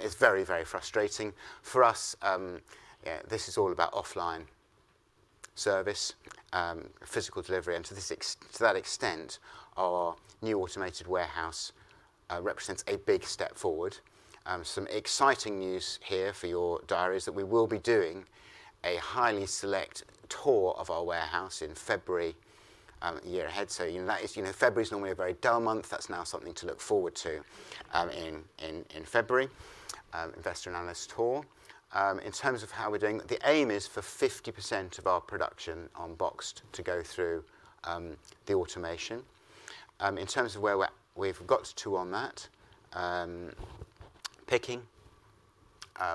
it's very, very frustrating. For us, yeah, this is all about offline service, physical delivery, and to that extent, our new automated warehouse represents a big step forward. Some exciting news here for your diaries, that we will be doing a highly select tour of our warehouse in February, year ahead. You know, that is. You know, February is normally a very dull month. That's now something to look forward to, in February, investor and analyst tour. In terms of how we're doing, the aim is for 50% of our production on boxed to go through the automation. In terms of where we're at, we've got 40% on that picking.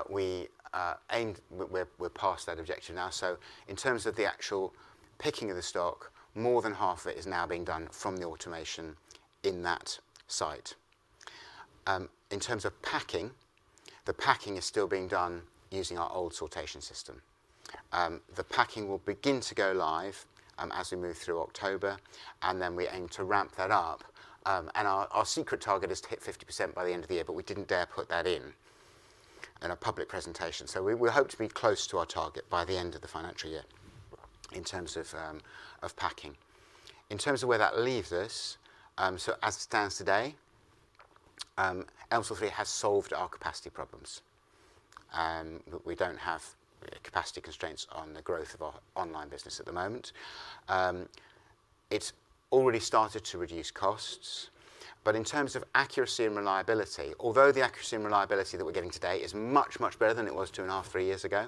We're past that objective now. So in terms of the actual picking of the stock, more than half of it is now being done from the automation in that site. In terms of packing, the packing is still being done using our old sortation system. The packing will begin to go live, as we move through October, and then we aim to ramp that up, and our secret target is to hit 50% by the end of the year, but we didn't dare put that in a public presentation. So we hope to be close to our target by the end of the financial year in terms of packing. In terms of where that leaves us, so as it stands today, Elmsall 3 has solved our capacity problems. We don't have capacity constraints on the growth of our online business at the moment. It's already started to reduce costs, but in terms of accuracy and reliability, although the accuracy and reliability that we're getting today is much, much better than it was two and a half, three years ago,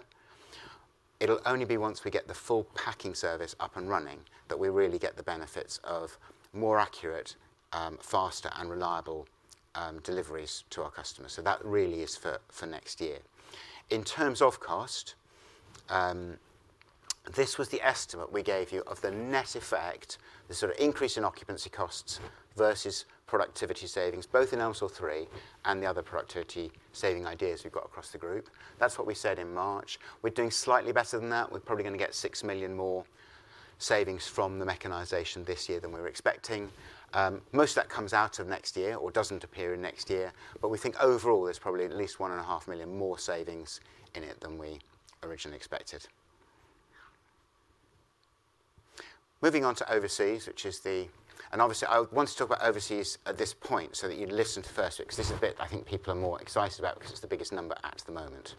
it'll only be once we get the full packing service up and running, that we really get the benefits of more accurate, faster and reliable deliveries to our customers. So that really is for next year. In terms of cost, this was the estimate we gave you of the net effect, the sort of increase in occupancy costs versus productivity savings, both in Elmsall 3 and the other productivity saving ideas we've got across the group. That's what we said in March. We're doing slightly better than that. We're probably gonna get six million more savings from the mechanization this year than we were expecting. Most of that comes out of next year or doesn't appear in next year, but we think overall, there's probably at least 1.5 million more savings in it than we originally expected. Moving on to overseas, which is the and obviously, I want to talk about overseas at this point, so that you'd listen first, 'cause this is the bit I think people are more excited about, 'cause it's the biggest number at the moment,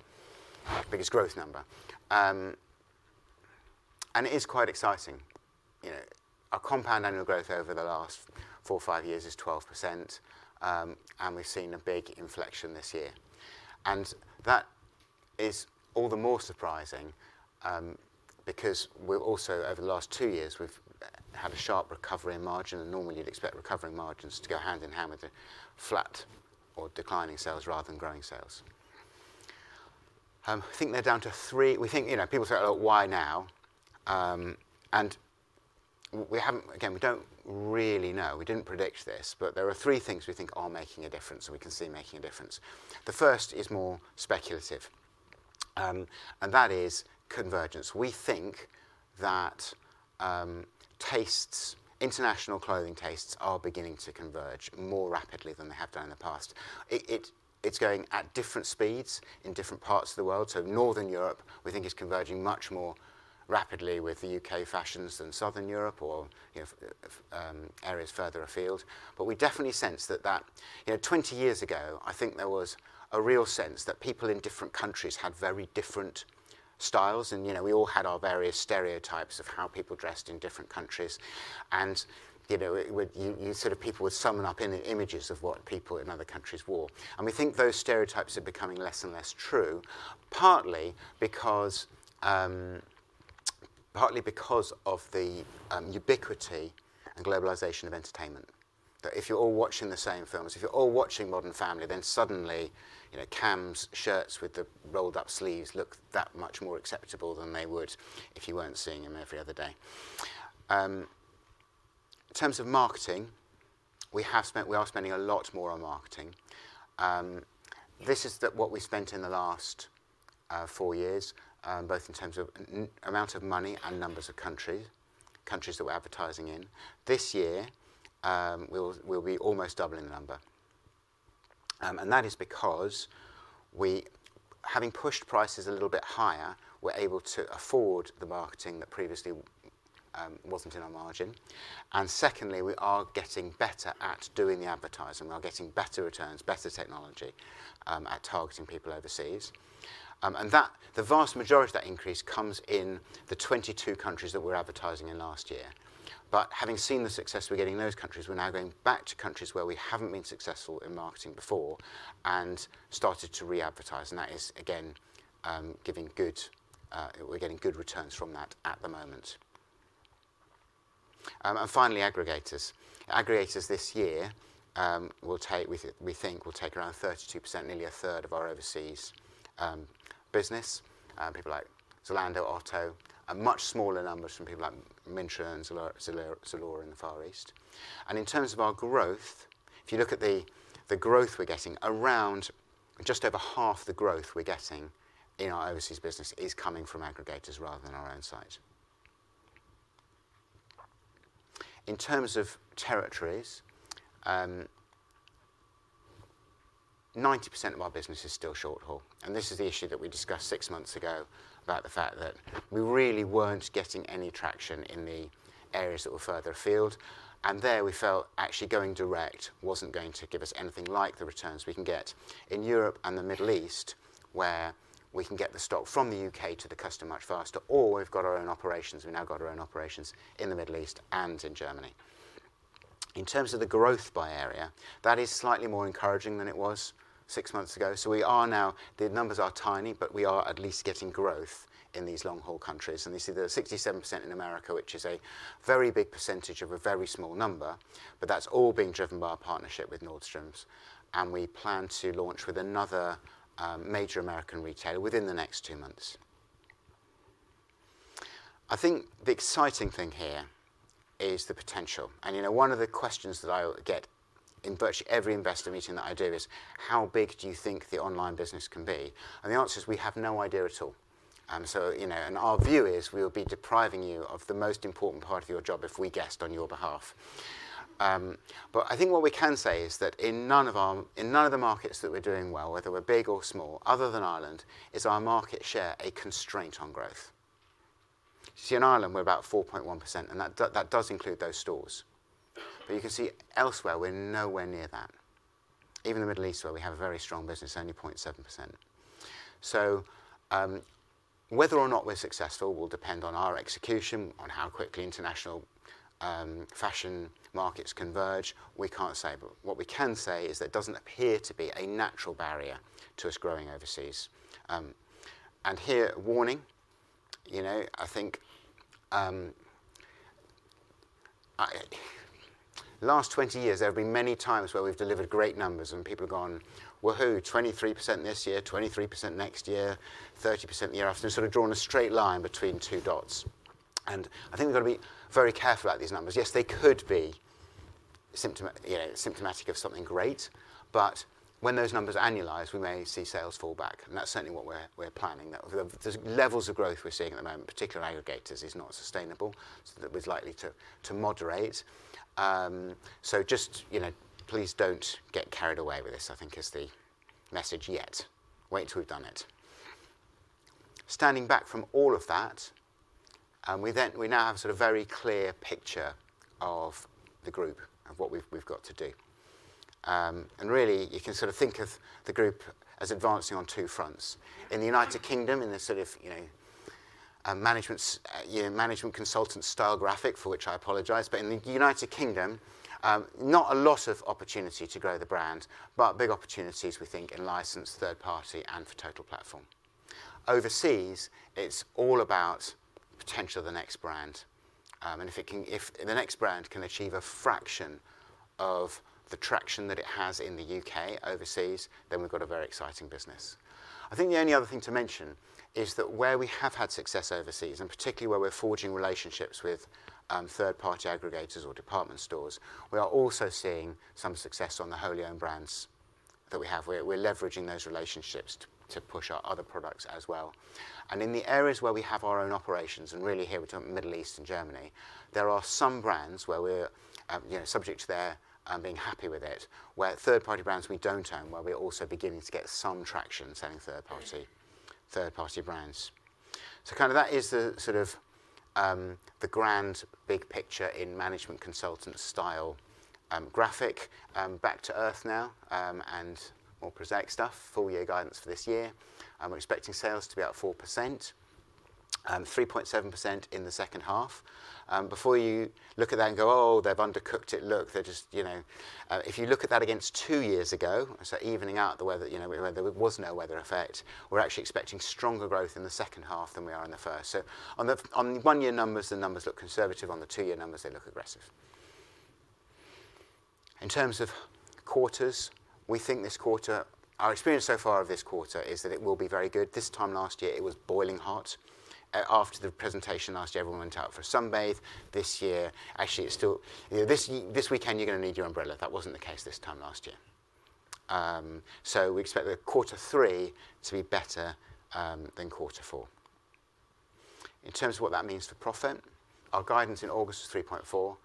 biggest growth number. And it is quite exciting. You know, our compound annual growth over the last four or five years is 12%, and we've seen a big inflection this year. And that is all the more surprising, because we're also... Over the last two years, we've had a sharp recovery in margin, and normally you'd expect recovery in margins to go hand in hand with a flat or declining sales rather than growing sales. I think they're down to three, we think, you know, people say, "Oh, why now?", and we haven't, again, we don't really know. We didn't predict this, but there are three things we think are making a difference, and we can see making a difference. The first is more speculative, and that is convergence. We think that tastes, international clothing tastes are beginning to converge more rapidly than they have done in the past. It's going at different speeds in different parts of the world. So Northern Europe, we think, is converging much more rapidly with the U.K. fashions than Southern Europe or, you know, areas further afield. But we definitely sense that. You know, 20 years ago, I think there was a real sense that people in different countries had very different styles. And, you know, we all had our various stereotypes of how people dressed in different countries. And, you know, you sort of people would summon up in their images of what people in other countries wore. And we think those stereotypes are becoming less and less true, partly because, partly because of the, ubiquity and globalization of entertainment. That if you're all watching the same films, if you're all watching Modern Family, then suddenly, you know, Cam's shirts with the rolled-up sleeves look that much more acceptable than they would if you weren't seeing him every other day. In terms of marketing, we are spending a lot more on marketing. This is the, what we spent in the last four years, both in terms of amount of money and numbers of countries that we're advertising in. This year, we'll be almost doubling the number. And that is because we, having pushed prices a little bit higher, we're able to afford the marketing that previously wasn't in our margin. And secondly, we are getting better at doing the advertising. We are getting better returns, better technology at targeting people overseas. And that, the vast majority of that increase comes in the 22 countries that we're advertising in last year. But having seen the success we're getting in those countries, we're now going back to countries where we haven't been successful in marketing before and started to re-advertise. And that is, again, we're getting good returns from that at the moment. And finally, aggregators. Aggregators this year will take, we think, around 32%, nearly a third of our overseas business. People like Zalando, Otto, and much smaller numbers from people like Myntra and Zalora in the Far East. And in terms of our growth, if you look at the growth we're getting, around just over half the growth we're getting in our overseas business is coming from aggregators rather than our own site. In terms of territories, 90% of our business is still short-haul, and this is the issue that we discussed six months ago about the fact that we really weren't getting any traction in the areas that were further afield. And there, we felt actually going direct wasn't going to give us anything like the returns we can get in Europe and the Middle East. Where we can get the stock from the UK to the customer much faster, or we've got our own operations. We've now got our own operations in the Middle East and in Germany. In terms of the growth by area, that is slightly more encouraging than it was six months ago. So we are now the numbers are tiny, but we are at least getting growth in these long-haul countries. And you see the 67% in America, which is a very big percentage of a very small number, but that's all being driven by our partnership with Nordstroms, and we plan to launch with another major American retailer within the next two months. I think the exciting thing here is the potential. You know, one of the questions that I get in virtually every investor meeting that I do is: How big do you think the online business can be? And the answer is, we have no idea at all. So, you know, and our view is, we would be depriving you of the most important part of your job if we guessed on your behalf. But I think what we can say is that in none of the markets that we're doing well, whether we're big or small, other than Ireland, is our market share a constraint on growth. See, in Ireland, we're about 4.1%, and that does include those stores. But you can see elsewhere, we're nowhere near that. Even the Middle East, where we have a very strong business, only 0.7%. So, whether or not we're successful will depend on our execution, on how quickly international fashion markets converge, we can't say. But what we can say is that it doesn't appear to be a natural barrier to us growing overseas. And here, a warning, you know, I think... the last twenty years, there have been many times where we've delivered great numbers, and people have gone, "Woo-hoo! 23% this year, 23% next year, 30% the year after," sort of drawn a straight line between two dots. And I think we've got to be very careful about these numbers. Yes, they could be sympto- you know, symptomatic of something great, but when those numbers annualise, we may see sales fall back, and that's certainly what we're planning. That the levels of growth we're seeing at the moment, particularly aggregators, is not sustainable, so that was likely to moderate. So just, you know, please don't get carried away with this, I think is the message yet. Wait till we've done it. Standing back from all of that, we now have sort of very clear picture of the group and what we've got to do. Really, you can sort of think of the group as advancing on two fronts. In the United Kingdom, in the sort of management consultant style graphic, for which I apologize, but in the United Kingdom, not a lot of opportunity to grow the brand, but big opportunities, we think, in licensed third party and for Total Platform. Overseas, it's all about potential of the Next brand. If it can... If the Next brand can achieve a fraction of the traction that it has in the UK, overseas, then we've got a very exciting business. I think the only other thing to mention is that where we have had success overseas, and particularly where we're forging relationships with third-party aggregators or department stores, we are also seeing some success on the wholly owned brands that we have. We're leveraging those relationships to push our other products as well. And in the areas where we have our own operations, and really here, we're talking Middle East and Germany, there are some brands where we're, you know, subject to their being happy with it, where third-party brands we don't own, where we're also beginning to get some traction selling third-party brands. So kind of that is the sort of the grand big picture in management consultant style graphic. Back to earth now, and more prosaic stuff, full year guidance for this year. We're expecting sales to be up 4%, 3.7% in the second half. Before you look at that and go, "Oh, they've undercooked it. Look, they're just..." You know, if you look at that against two years ago, so evening out the weather, you know, where there was no weather effect, we're actually expecting stronger growth in the second half than we are in the first. So on the one-year numbers, the numbers look conservative. On the two-year numbers, they look aggressive. In terms of quarters, we think this quarter. Our experience so far of this quarter is that it will be very good. This time last year, it was boiling hot. After the presentation last year, everyone went out for a sunbathe. This year, actually, it's still... You know, this weekend, you're going to need your umbrella. That wasn't the case this time last year. So we expect the quarter three to be better than quarter four. In terms of what that means for profit, our guidance in August was 3.4, so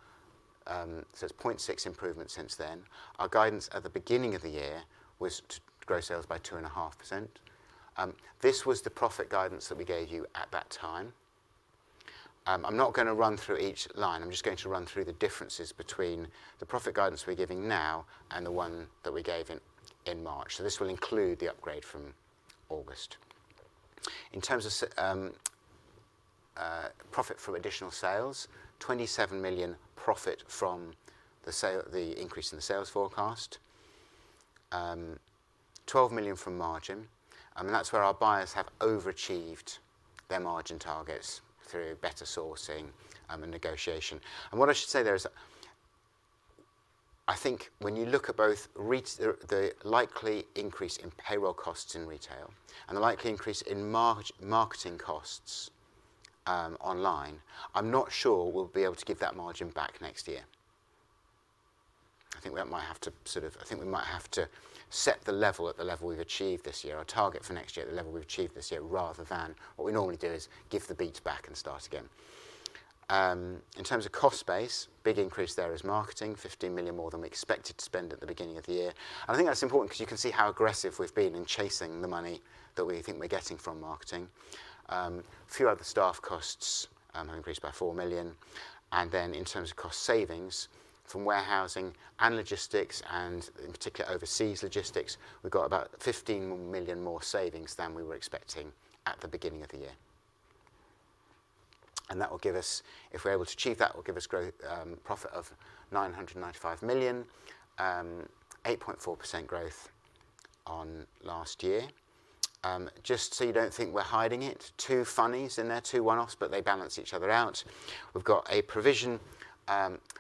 it's 0.6 improvement since then. Our guidance at the beginning of the year was to grow sales by 2.5%. This was the profit guidance that we gave you at that time. I'm not going to run through each line. I'm just going to run through the differences between the profit guidance we're giving now and the one that we gave in March. So this will include the upgrade from August. In terms of profit from additional sales, 27 million profit from the increase in the sales forecast, 12 million from margin, and that's where our buyers have overachieved their margin targets through better sourcing and negotiation. What I should say there is, I think when you look at both the likely increase in payroll costs in retail and the likely increase in marketing costs online, I'm not sure we'll be able to give that margin back next year. I think we might have to set the level at the level we've achieved this year. Our target for next year, the level we've achieved this year, rather than what we normally do, is give the beats back and start again. In terms of cost base, big increase there is marketing, 15 million more than we expected to spend at the beginning of the year. I think that's important because you can see how aggressive we've been in chasing the money that we think we're getting from marketing. A few other staff costs have increased by 4 million, and then in terms of cost savings from warehousing and logistics, and in particular, overseas logistics, we've got about 15 million more savings than we were expecting at the beginning of the year. And that will give us, if we're able to achieve that, will give us growth, profit of 995 million, 8.4% growth on last year. Just so you don't think we're hiding it, two funnies in there, two one-offs, but they balance each other out. We've got a provision,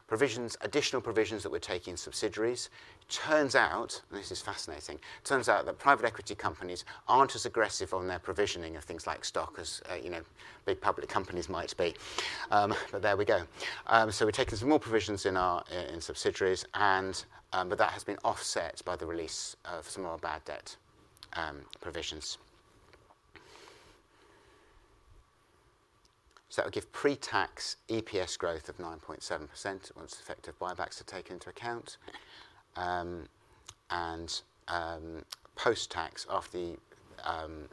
provisions, additional provisions that we're taking in subsidiaries. Turns out, and this is fascinating, turns out that private equity companies aren't as aggressive on their provisioning of things like stock as, you know, big public companies might be. But there we go. So we're taking some more provisions in our subsidiaries and, but that has been offset by the release of some more bad debt provisions. So that will give pre-tax EPS growth of 9.7%, once effective buybacks are taken into account. And, post-tax, after the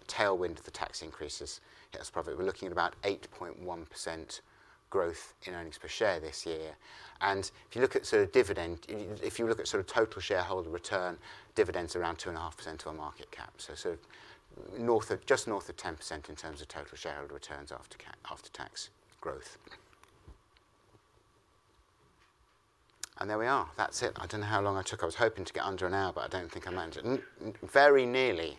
tailwind of the tax increases hits profit, we're looking at about 8.1% growth in earnings per share this year. And if you look at sort of dividend, if you look at sort of total shareholder return, dividends around 2.5% on market cap. So just north of 10% in terms of total shareholder returns after tax growth. And there we are. That's it. I don't know how long I took. I was hoping to get under an hour, but I don't think I managed it. Very nearly.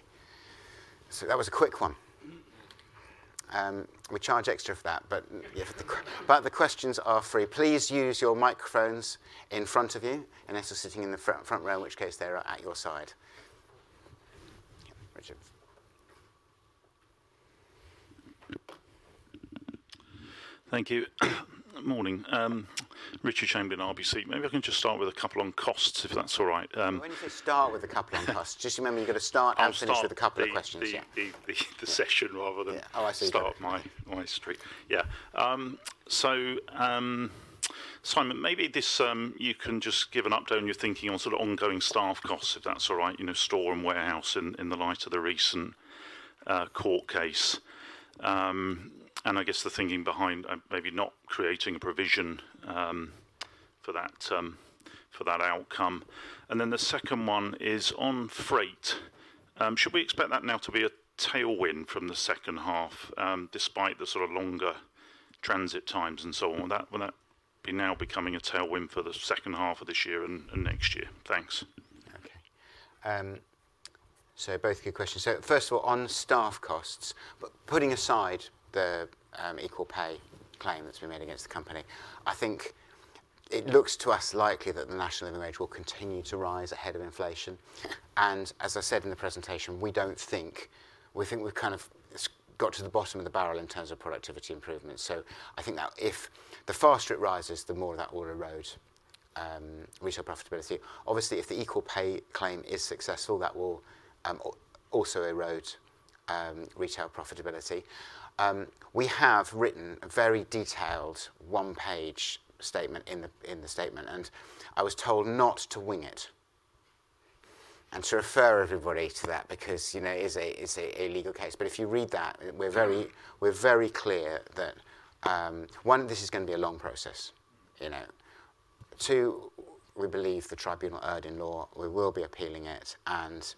So that was a quick one. We charge extra for that, but yeah, but the questions are free. Please use your microphones in front of you, unless you're sitting in the front, front row, in which case they're at your side. Richard? Thank you. Morning, Richard Chamberlain, RBC. Maybe I can just start with a couple on costs, if that's all right. When you say start with a couple on costs, just remember, you've got to start and finish. I'll start- With a couple of questions, yeah.... the session rather than- Yeah. Oh, I see... start my street. Yeah, so, Simon, maybe this, you can just give an update on your thinking on sort of ongoing staff costs, if that's all right, you know, store and warehouse, in the light of the recent court case, and I guess the thinking behind maybe not creating a provision for that outcome, and then the second one is on freight. Should we expect that now to be a tailwind from the second half, despite the sort of longer transit times and so on? Will that be now becoming a tailwind for the second half of this year and next year? Thanks. Okay. So both good questions. So first of all, on staff costs, but putting aside the equal pay claim that's been made against the company, I think it looks to us likely that the national average will continue to rise ahead of inflation, and as I said in the presentation, we don't think... We think we've kind of got to the bottom of the barrel in terms of productivity improvements. So I think that if the faster it rises, the more that will erode retail profitability. Obviously, if the equal pay claim is successful, that will also erode retail profitability. We have written a very detailed one-page statement in the statement, and I was told not to wing it and to refer everybody to that because, you know, it is a legal case. But if you read that, we're very, we're very clear that, one, this is going to be a long process, you know. Two, we believe the tribunal erred in law. We will be appealing it, and,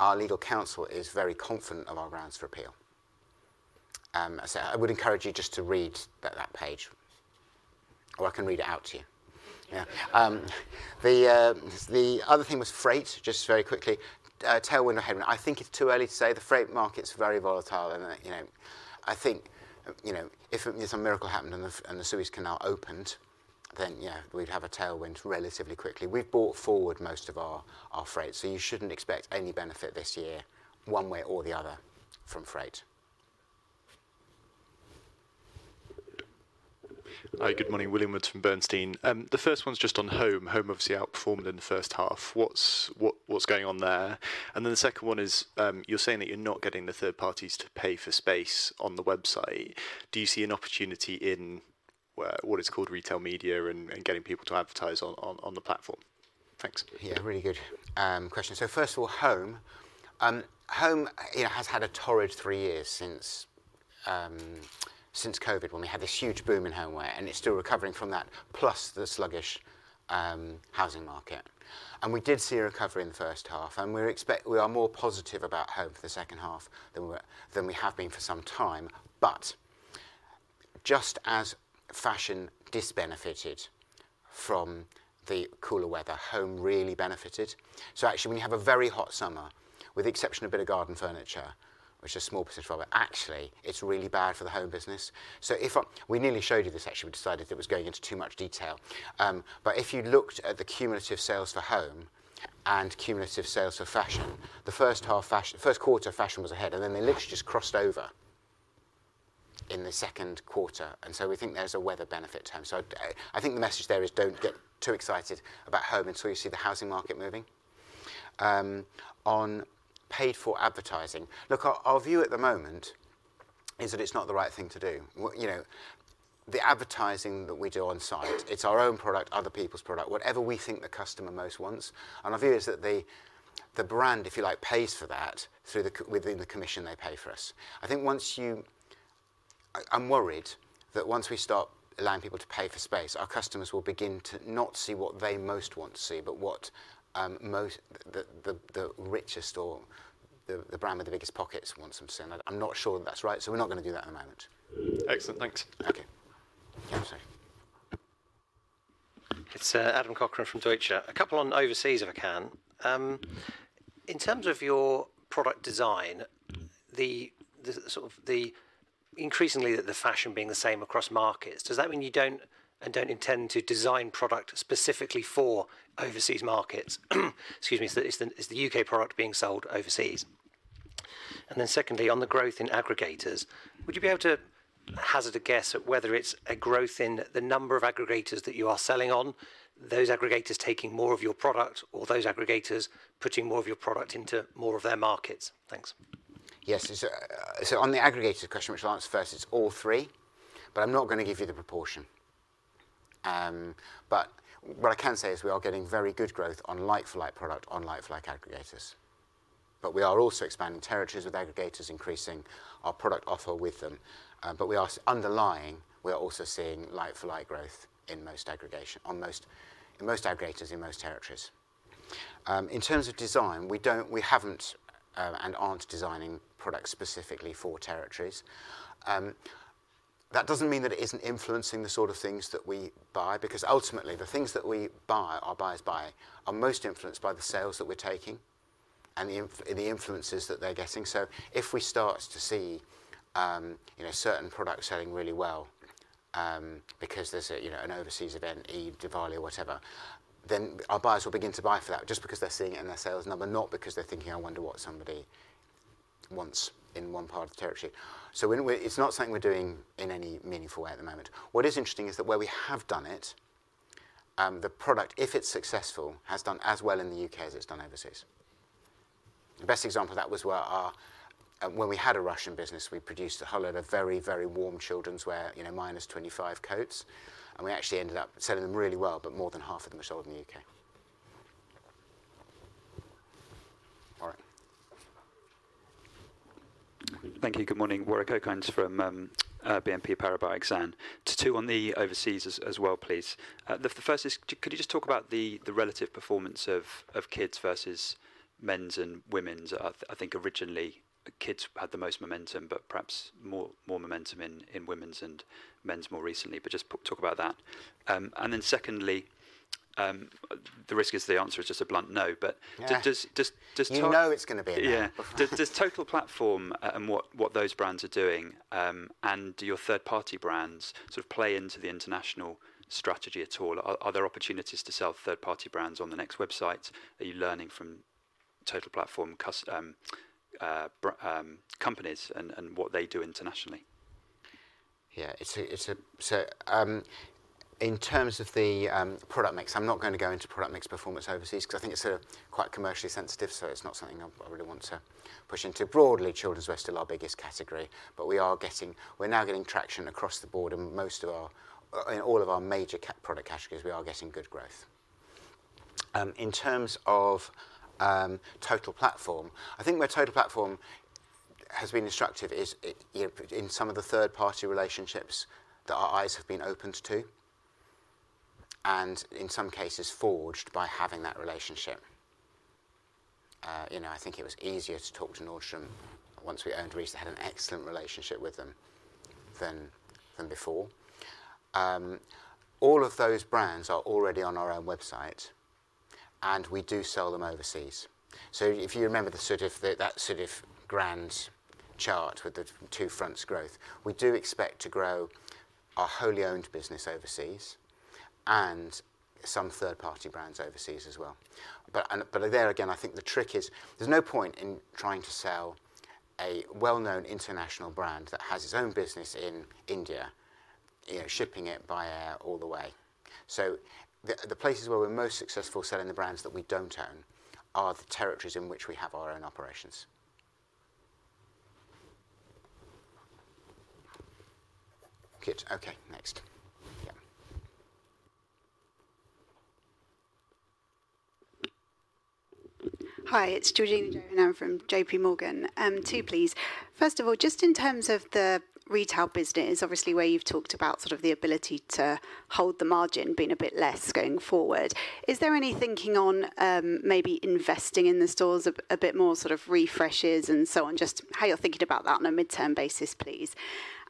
our legal counsel is very confident of our grounds for appeal. So I would encourage you just to read that, that page, or I can read it out to you. Yeah. The, the other thing was freight, just very quickly, tailwind or headwind. I think it's too early to say. The freight market's very volatile, and, you know, I think, you know, if some miracle happened and the, and the Suez Canal opened, then yeah, we'd have a tailwind relatively quickly. We've brought forward most of our, our freight, so you shouldn't expect any benefit this year, one way or the other, from freight. Hi, good morning. William Woods from Bernstein. The first one's just on home. Home obviously outperformed in the first half. What's going on there? And then the second one is, you're saying that you're not getting the third parties to pay for space on the website. Do you see an opportunity in what is called retail media and getting people to advertise on the platform? Thanks. Yeah, really good question. So first of all, home. Home, you know, has had a torrid three years since, since Covid, when we had this huge boom in homeware, and it's still recovering from that, plus the sluggish housing market. And we did see a recovery in the first half, and we expect- we are more positive about home for the second half than we were, than we have been for some time. But just as fashion dis benefited from the cooler weather, home really benefited. So actually, when you have a very hot summer, with the exception of a bit of garden furniture, which is a small percentage of it, actually, it's really bad for the home business. So if I... We nearly showed you this actually. We decided it was going into too much detail. But if you looked at the cumulative sales for home and cumulative sales for fashion, the first half fashion, first quarter, fashion was ahead, and then they literally just crossed over in the second quarter. And so we think there's a weather benefit to home. So I, I think the message there is don't get too excited about home until you see the housing market moving. On paid-for advertising, look, our view at the moment is that it's not the right thing to do. Well, you know, the advertising that we do on site, it's our own product, other people's product, whatever we think the customer most wants. And our view is that the brand, if you like, pays for that through the c- within the commission they pay for us. I think once you... I'm worried that once we start allowing people to pay for space, our customers will begin to not see what they most want to see, but what the richest or the brand with the biggest pockets wants them to see, and I'm not sure that's right, so we're not going to do that at the moment. Excellent. Thanks. Okay. Sorry. It's Adam Cochrane from Deutsche. A couple on overseas, if I can. In terms of your product design, the sort of increasingly that the fashion being the same across markets, does that mean you don't and don't intend to design product specifically for overseas markets? Excuse me. So is the UK product being sold overseas? And then secondly, on the growth in aggregators, would you be able to hazard a guess at whether it's a growth in the number of aggregators that you are selling on, those aggregators taking more of your product, or those aggregators putting more of your product into more of their markets? Thanks. Yes, so on the aggregator question, which I'll answer first, it's all three, but I'm not going to give you the proportion, but what I can say is we are getting very good growth on like-for-like product, on like-for-like aggregators, but we are also expanding territories with aggregators, increasing our product offer with them, but underlying we are also seeing like-for-like growth in most aggregators, in most territories. In terms of design, we don't, we haven't, and aren't designing products specifically for territories. That doesn't mean that it isn't influencing the sort of things that we buy, because ultimately, the things that we buy, our buyers buy, are most influenced by the sales that we're taking and the influences that they're getting. So if we start to see, you know, certain products selling really well, because there's a, you know, an overseas event, Eid, Diwali, or whatever, then our buyers will begin to buy for that just because they're seeing it in their sales number, not because they're thinking, "I wonder what somebody wants in one part of the territory." So when we're, it's not something we're doing in any meaningful way at the moment. What is interesting is that where we have done it, the product, if it's successful, has done as well in the UK as it's done overseas. The best example of that was where our... When we had a Russian business, we produced a whole load of very, very warm children's wear, you know, minus twenty-five coats, and we actually ended up selling them really well, but more than half of them were sold in the UK. All right. Thank you. Good morning, Warwick Okines from BNP Paribas Exane. Two on the overseas as well, please. The first is, could you just talk about the relative performance of kids versus men's and women's? I think originally, kids had the most momentum, but perhaps more momentum in women's and men's more recently. But just talk about that. And then secondly, the risk is the answer is just a blunt no, but- Yeah. Does t- You know it's going to be a no. Yeah. Does Total Platform and what those brands are doing, and your third-party brands sort of play into the international strategy at all? Are there opportunities to sell third-party brands on the Next website? Are you learning from Total Platform companies and what they do internationally? So, in terms of the product mix, I'm not going to go into product mix performance overseas, because I think it's quite commercially sensitive, so it's not something I really want to push into. Broadly, children's wear is still our biggest category, but we are getting - we're now getting traction across the board, and most of our in all of our major product categories, we are getting good growth. In terms of Total Platform, I think where Total Platform has been instructive is it, you know, in some of the third-party relationships that our eyes have been opened to, and in some cases, forged by having that relationship. You know, I think it was easier to talk to Nordstrom once we owned Reiss and had an excellent relationship with them than before. All of those brands are already on our own website, and we do sell them overseas. So if you remember the sort of, that sort of grand chart with the two fronts growth, we do expect to grow our wholly owned business overseas and some third-party brands overseas as well. But there again, I think the trick is, there's no point in trying to sell a well-known international brand that has its own business in India, you know, shipping it by air all the way. So the places where we're most successful selling the brands that we don't own are the territories in which we have our own operations. Good. Okay, next. Yeah. Hi, it's Georgina Johanan from JPMorgan. Two, please. First of all, just in terms of the retail business, obviously, where you've talked about sort of the ability to hold the margin being a bit less going forward, is there any thinking on, maybe investing in the stores a bit more, sort of refreshes and so on? Just how you're thinking about that on a midterm basis, please.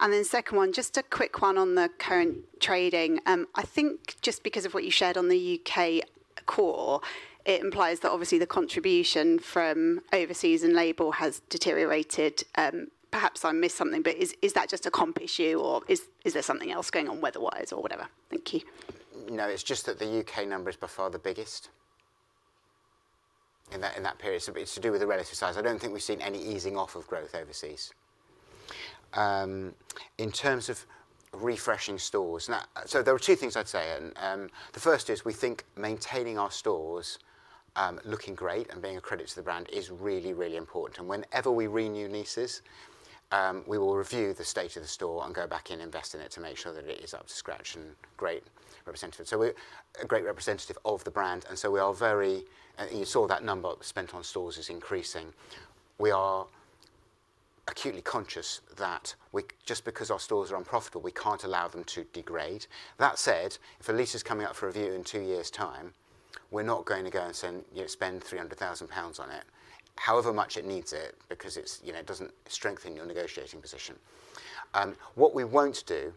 And then the second one, just a quick one on the current trading. I think just because of what you shared on the UK core, it implies that obviously the contribution from overseas and label has deteriorated. Perhaps I missed something, but is that just a comp issue, or is there something else going on weather-wise or whatever? Thank you. No, it's just that the UK number is by far the biggest in that, in that period, so it's to do with the relative size. I don't think we've seen any easing off of growth overseas. In terms of refreshing stores, now, so there are two things I'd say, and the first is, we think maintaining our stores, looking great and being a credit to the brand is really, really important, and whenever we renew leases, we will review the state of the store and go back and invest in it to make sure that it is up to scratch and great representative. So a great representative of the brand, and so we are very. You saw that number spent on stores is increasing. We are acutely conscious that we just because our stores are unprofitable, we can't allow them to degrade. That said, if a lease is coming up for review in two years' time, we're not going to go and spend, you know, spend 300,000 pounds on it, however much it needs it, because it's, you know, it doesn't strengthen your negotiating position. What we won't do,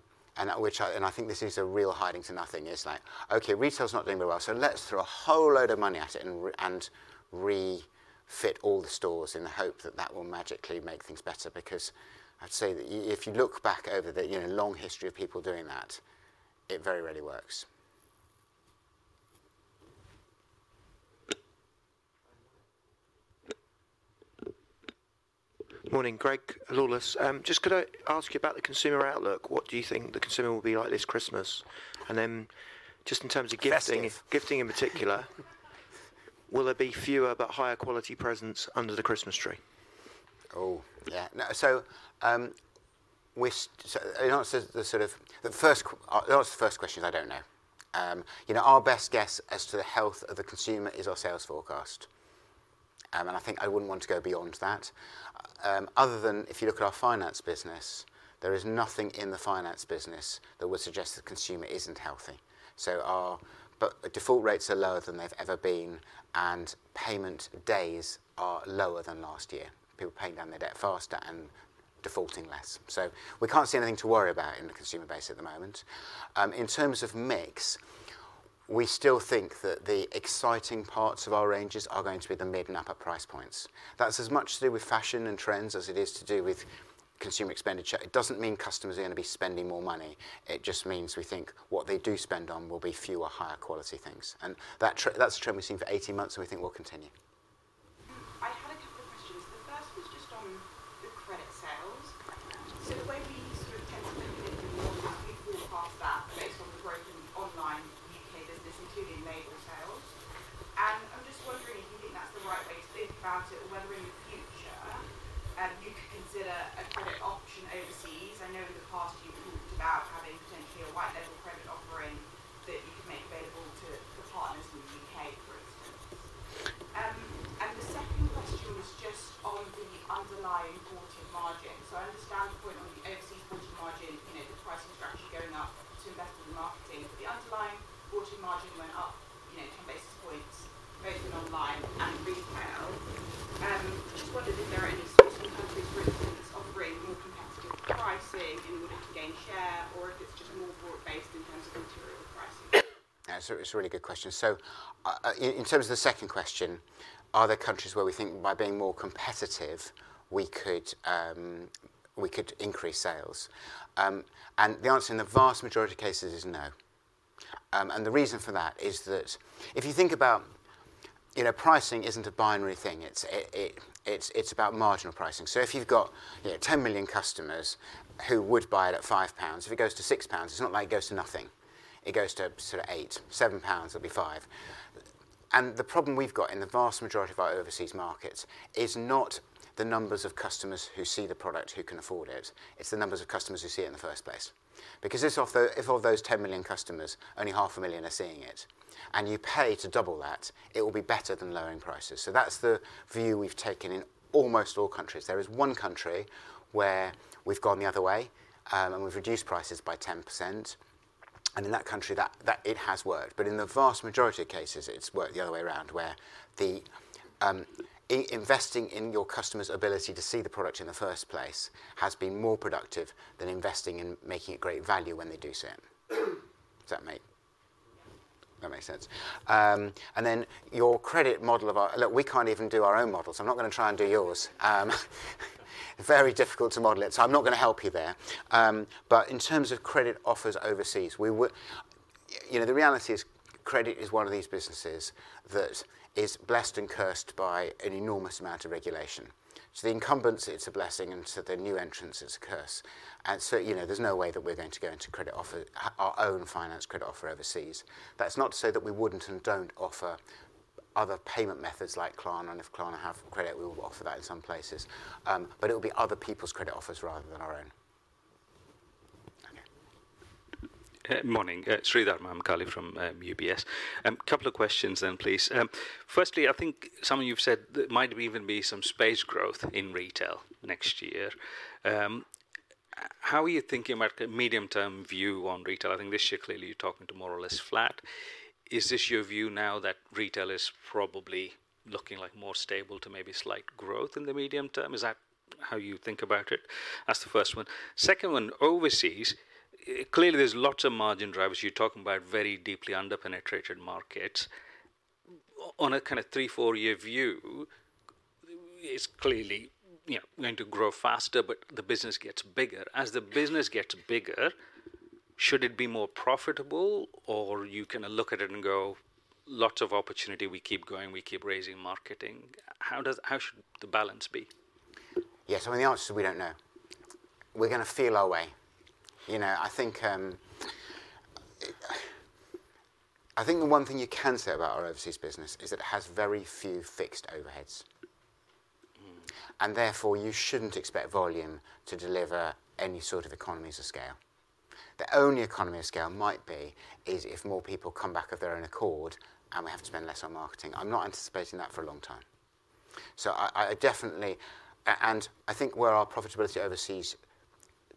which I think is a real hiding to nothing, is like: "Okay, retail's not doing very well, so let's throw a whole load of money at it and refit all the stores in the hope that that will magically make things better." Because I'd say that if you look back over the, you know, long history of people doing that, it very rarely works. Morning, Greg Lawless. Just could I ask you about the consumer outlook? What do you think the consumer will be like this Christmas? And then just in terms of gifting- Festive Gifting in particular, will there be fewer but higher quality presents under the Christmas tree? Oh, yeah. No, so in answer to the first question, I don't know. You know, our best guess as to the health of the consumer is our sales forecast, and I think I wouldn't want to go beyond that. Other than if you look at our finance business, there is nothing in the finance business that would suggest the consumer isn't healthy. Default rates are lower than they've ever been, and payment days are lower than last year. People are paying down their debt faster and defaulting less. So we can't see anything to worry about in the consumer base at the moment. In terms of mix, we still think that the exciting parts of our ranges are going to be the mid and upper price points. That's as much to do with fashion and trends as it is to do with consumer expenditure. It doesn't mean customers are going to be spending more money. It just means we think what they do spend on will be fewer, higher quality things. And that's a trend we've seen for eighteen months, and we think will continue. we could increase sales? And the answer in the vast majority of cases is no. And the reason for that is that if you think about, you know, pricing isn't a binary thing, it's about marginal pricing. So if you've got, you know, 10 million customers who would buy it at £5, if it goes to £6, it's not like it goes to nothing. It goes to sort of eight. £7, it'll be five. And the problem we've got in the vast majority of our overseas markets is not the numbers of customers who see the product, who can afford it, it's the numbers of customers who see it in the first place. Because out of those 10 million customers, only 500,000 are seeing it, and you pay to double that, it will be better than lowering prices. So that's the view we've taken in almost all countries. There is one country where we've gone the other way, and we've reduced prices by 10%, and in that country, it has worked. But in the vast majority of cases, it's worked the other way around, where investing in your customer's ability to see the product in the first place has been more productive than investing in making it great value when they do see it. Does that make- Yeah. That makes sense, and then your credit model of our. Look, we can't even do our own models, so I'm not going to try and do yours. Very difficult to model it, so I'm not going to help you there, but in terms of credit offers overseas, we would... You know, the reality is credit is one of these businesses that is blessed and cursed by an enormous amount of regulation. So the incumbency, it's a blessing, and to the new entrants, it's a curse. And so, you know, there's no way that we're going to go into credit offer, our own finance credit offer overseas. That's not to say that we wouldn't and don't offer other payment methods like Klarna, and if Klarna have credit, we will offer that in some places, but it'll be other people's credit offers rather than our own. Okay. Good morning. It's Sridhar Mukku from UBS. Couple of questions then, please. Firstly, I think something you've said that might even be some space growth in retail next year. How are you thinking about the medium-term view on retail? I think this year, clearly, you're talking to more or less flat. Is this your view now that retail is probably looking like more stable to maybe slight growth in the medium term? Is that how you think about it? That's the first one. Second one, overseas, clearly, there's lots of margin drivers. You're talking about very deeply under-penetrated markets. On a kind of three, four-year view, it's clearly, you know, going to grow faster, but the business gets bigger. As the business gets bigger, should it be more profitable, or you kind of look at it and go, "Lots of opportunity, we keep going, we keep raising marketing"? How should the balance be? Yes, I mean, the answer is we don't know. We're going to feel our way. You know, I think the one thing you can say about our overseas business is it has very few fixed overheads. And therefore, you shouldn't expect volume to deliver any sort of economies of scale. The only economy of scale might be is if more people come back of their own accord, and we have to spend less on marketing. I'm not anticipating that for a long time. So I definitely and I think where our profitability overseas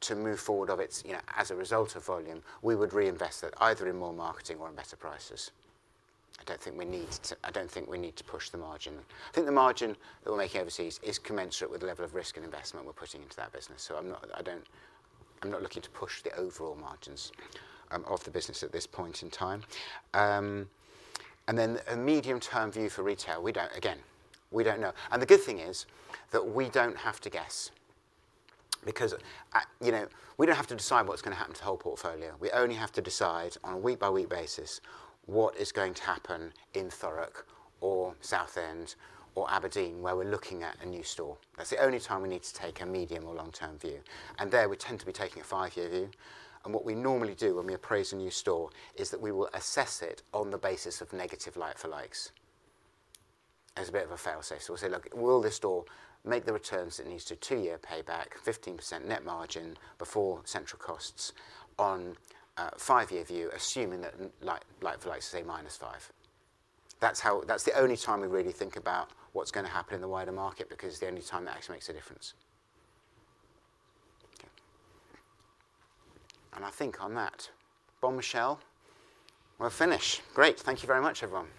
to move forward of its, you know, as a result of volume, we would reinvest it either in more marketing or in better prices. I don't think we need to. I don't think we need to push the margin. I think the margin that we're making overseas is commensurate with the level of risk and investment we're putting into that business. So I'm not looking to push the overall margins of the business at this point in time. And then a medium-term view for retail, we don't. Again, we don't know. The good thing is that we don't have to guess because, you know, we don't have to decide what's going to happen to the whole portfolio. We only have to decide on a week-by-week basis what is going to happen in Thurrock or Southend or Aberdeen, where we're looking at a new store. That's the only time we need to take a medium or long-term view, and there we tend to be taking a five-year view. What we normally do when we appraise a new store is that we will assess it on the basis of negative like-for-like. As a bit of a fail-safe. So we'll say: Look, will this store make the returns it needs to two-year payback, 15% net margin before central costs on a five-year view, assuming that like-for-likes, say, minus 5%? That's how. That's the only time we really think about what's going to happen in the wider market because it's the only time that actually makes a difference. Okay. And I think on that, we're finished. Great. Thank you very much, everyone.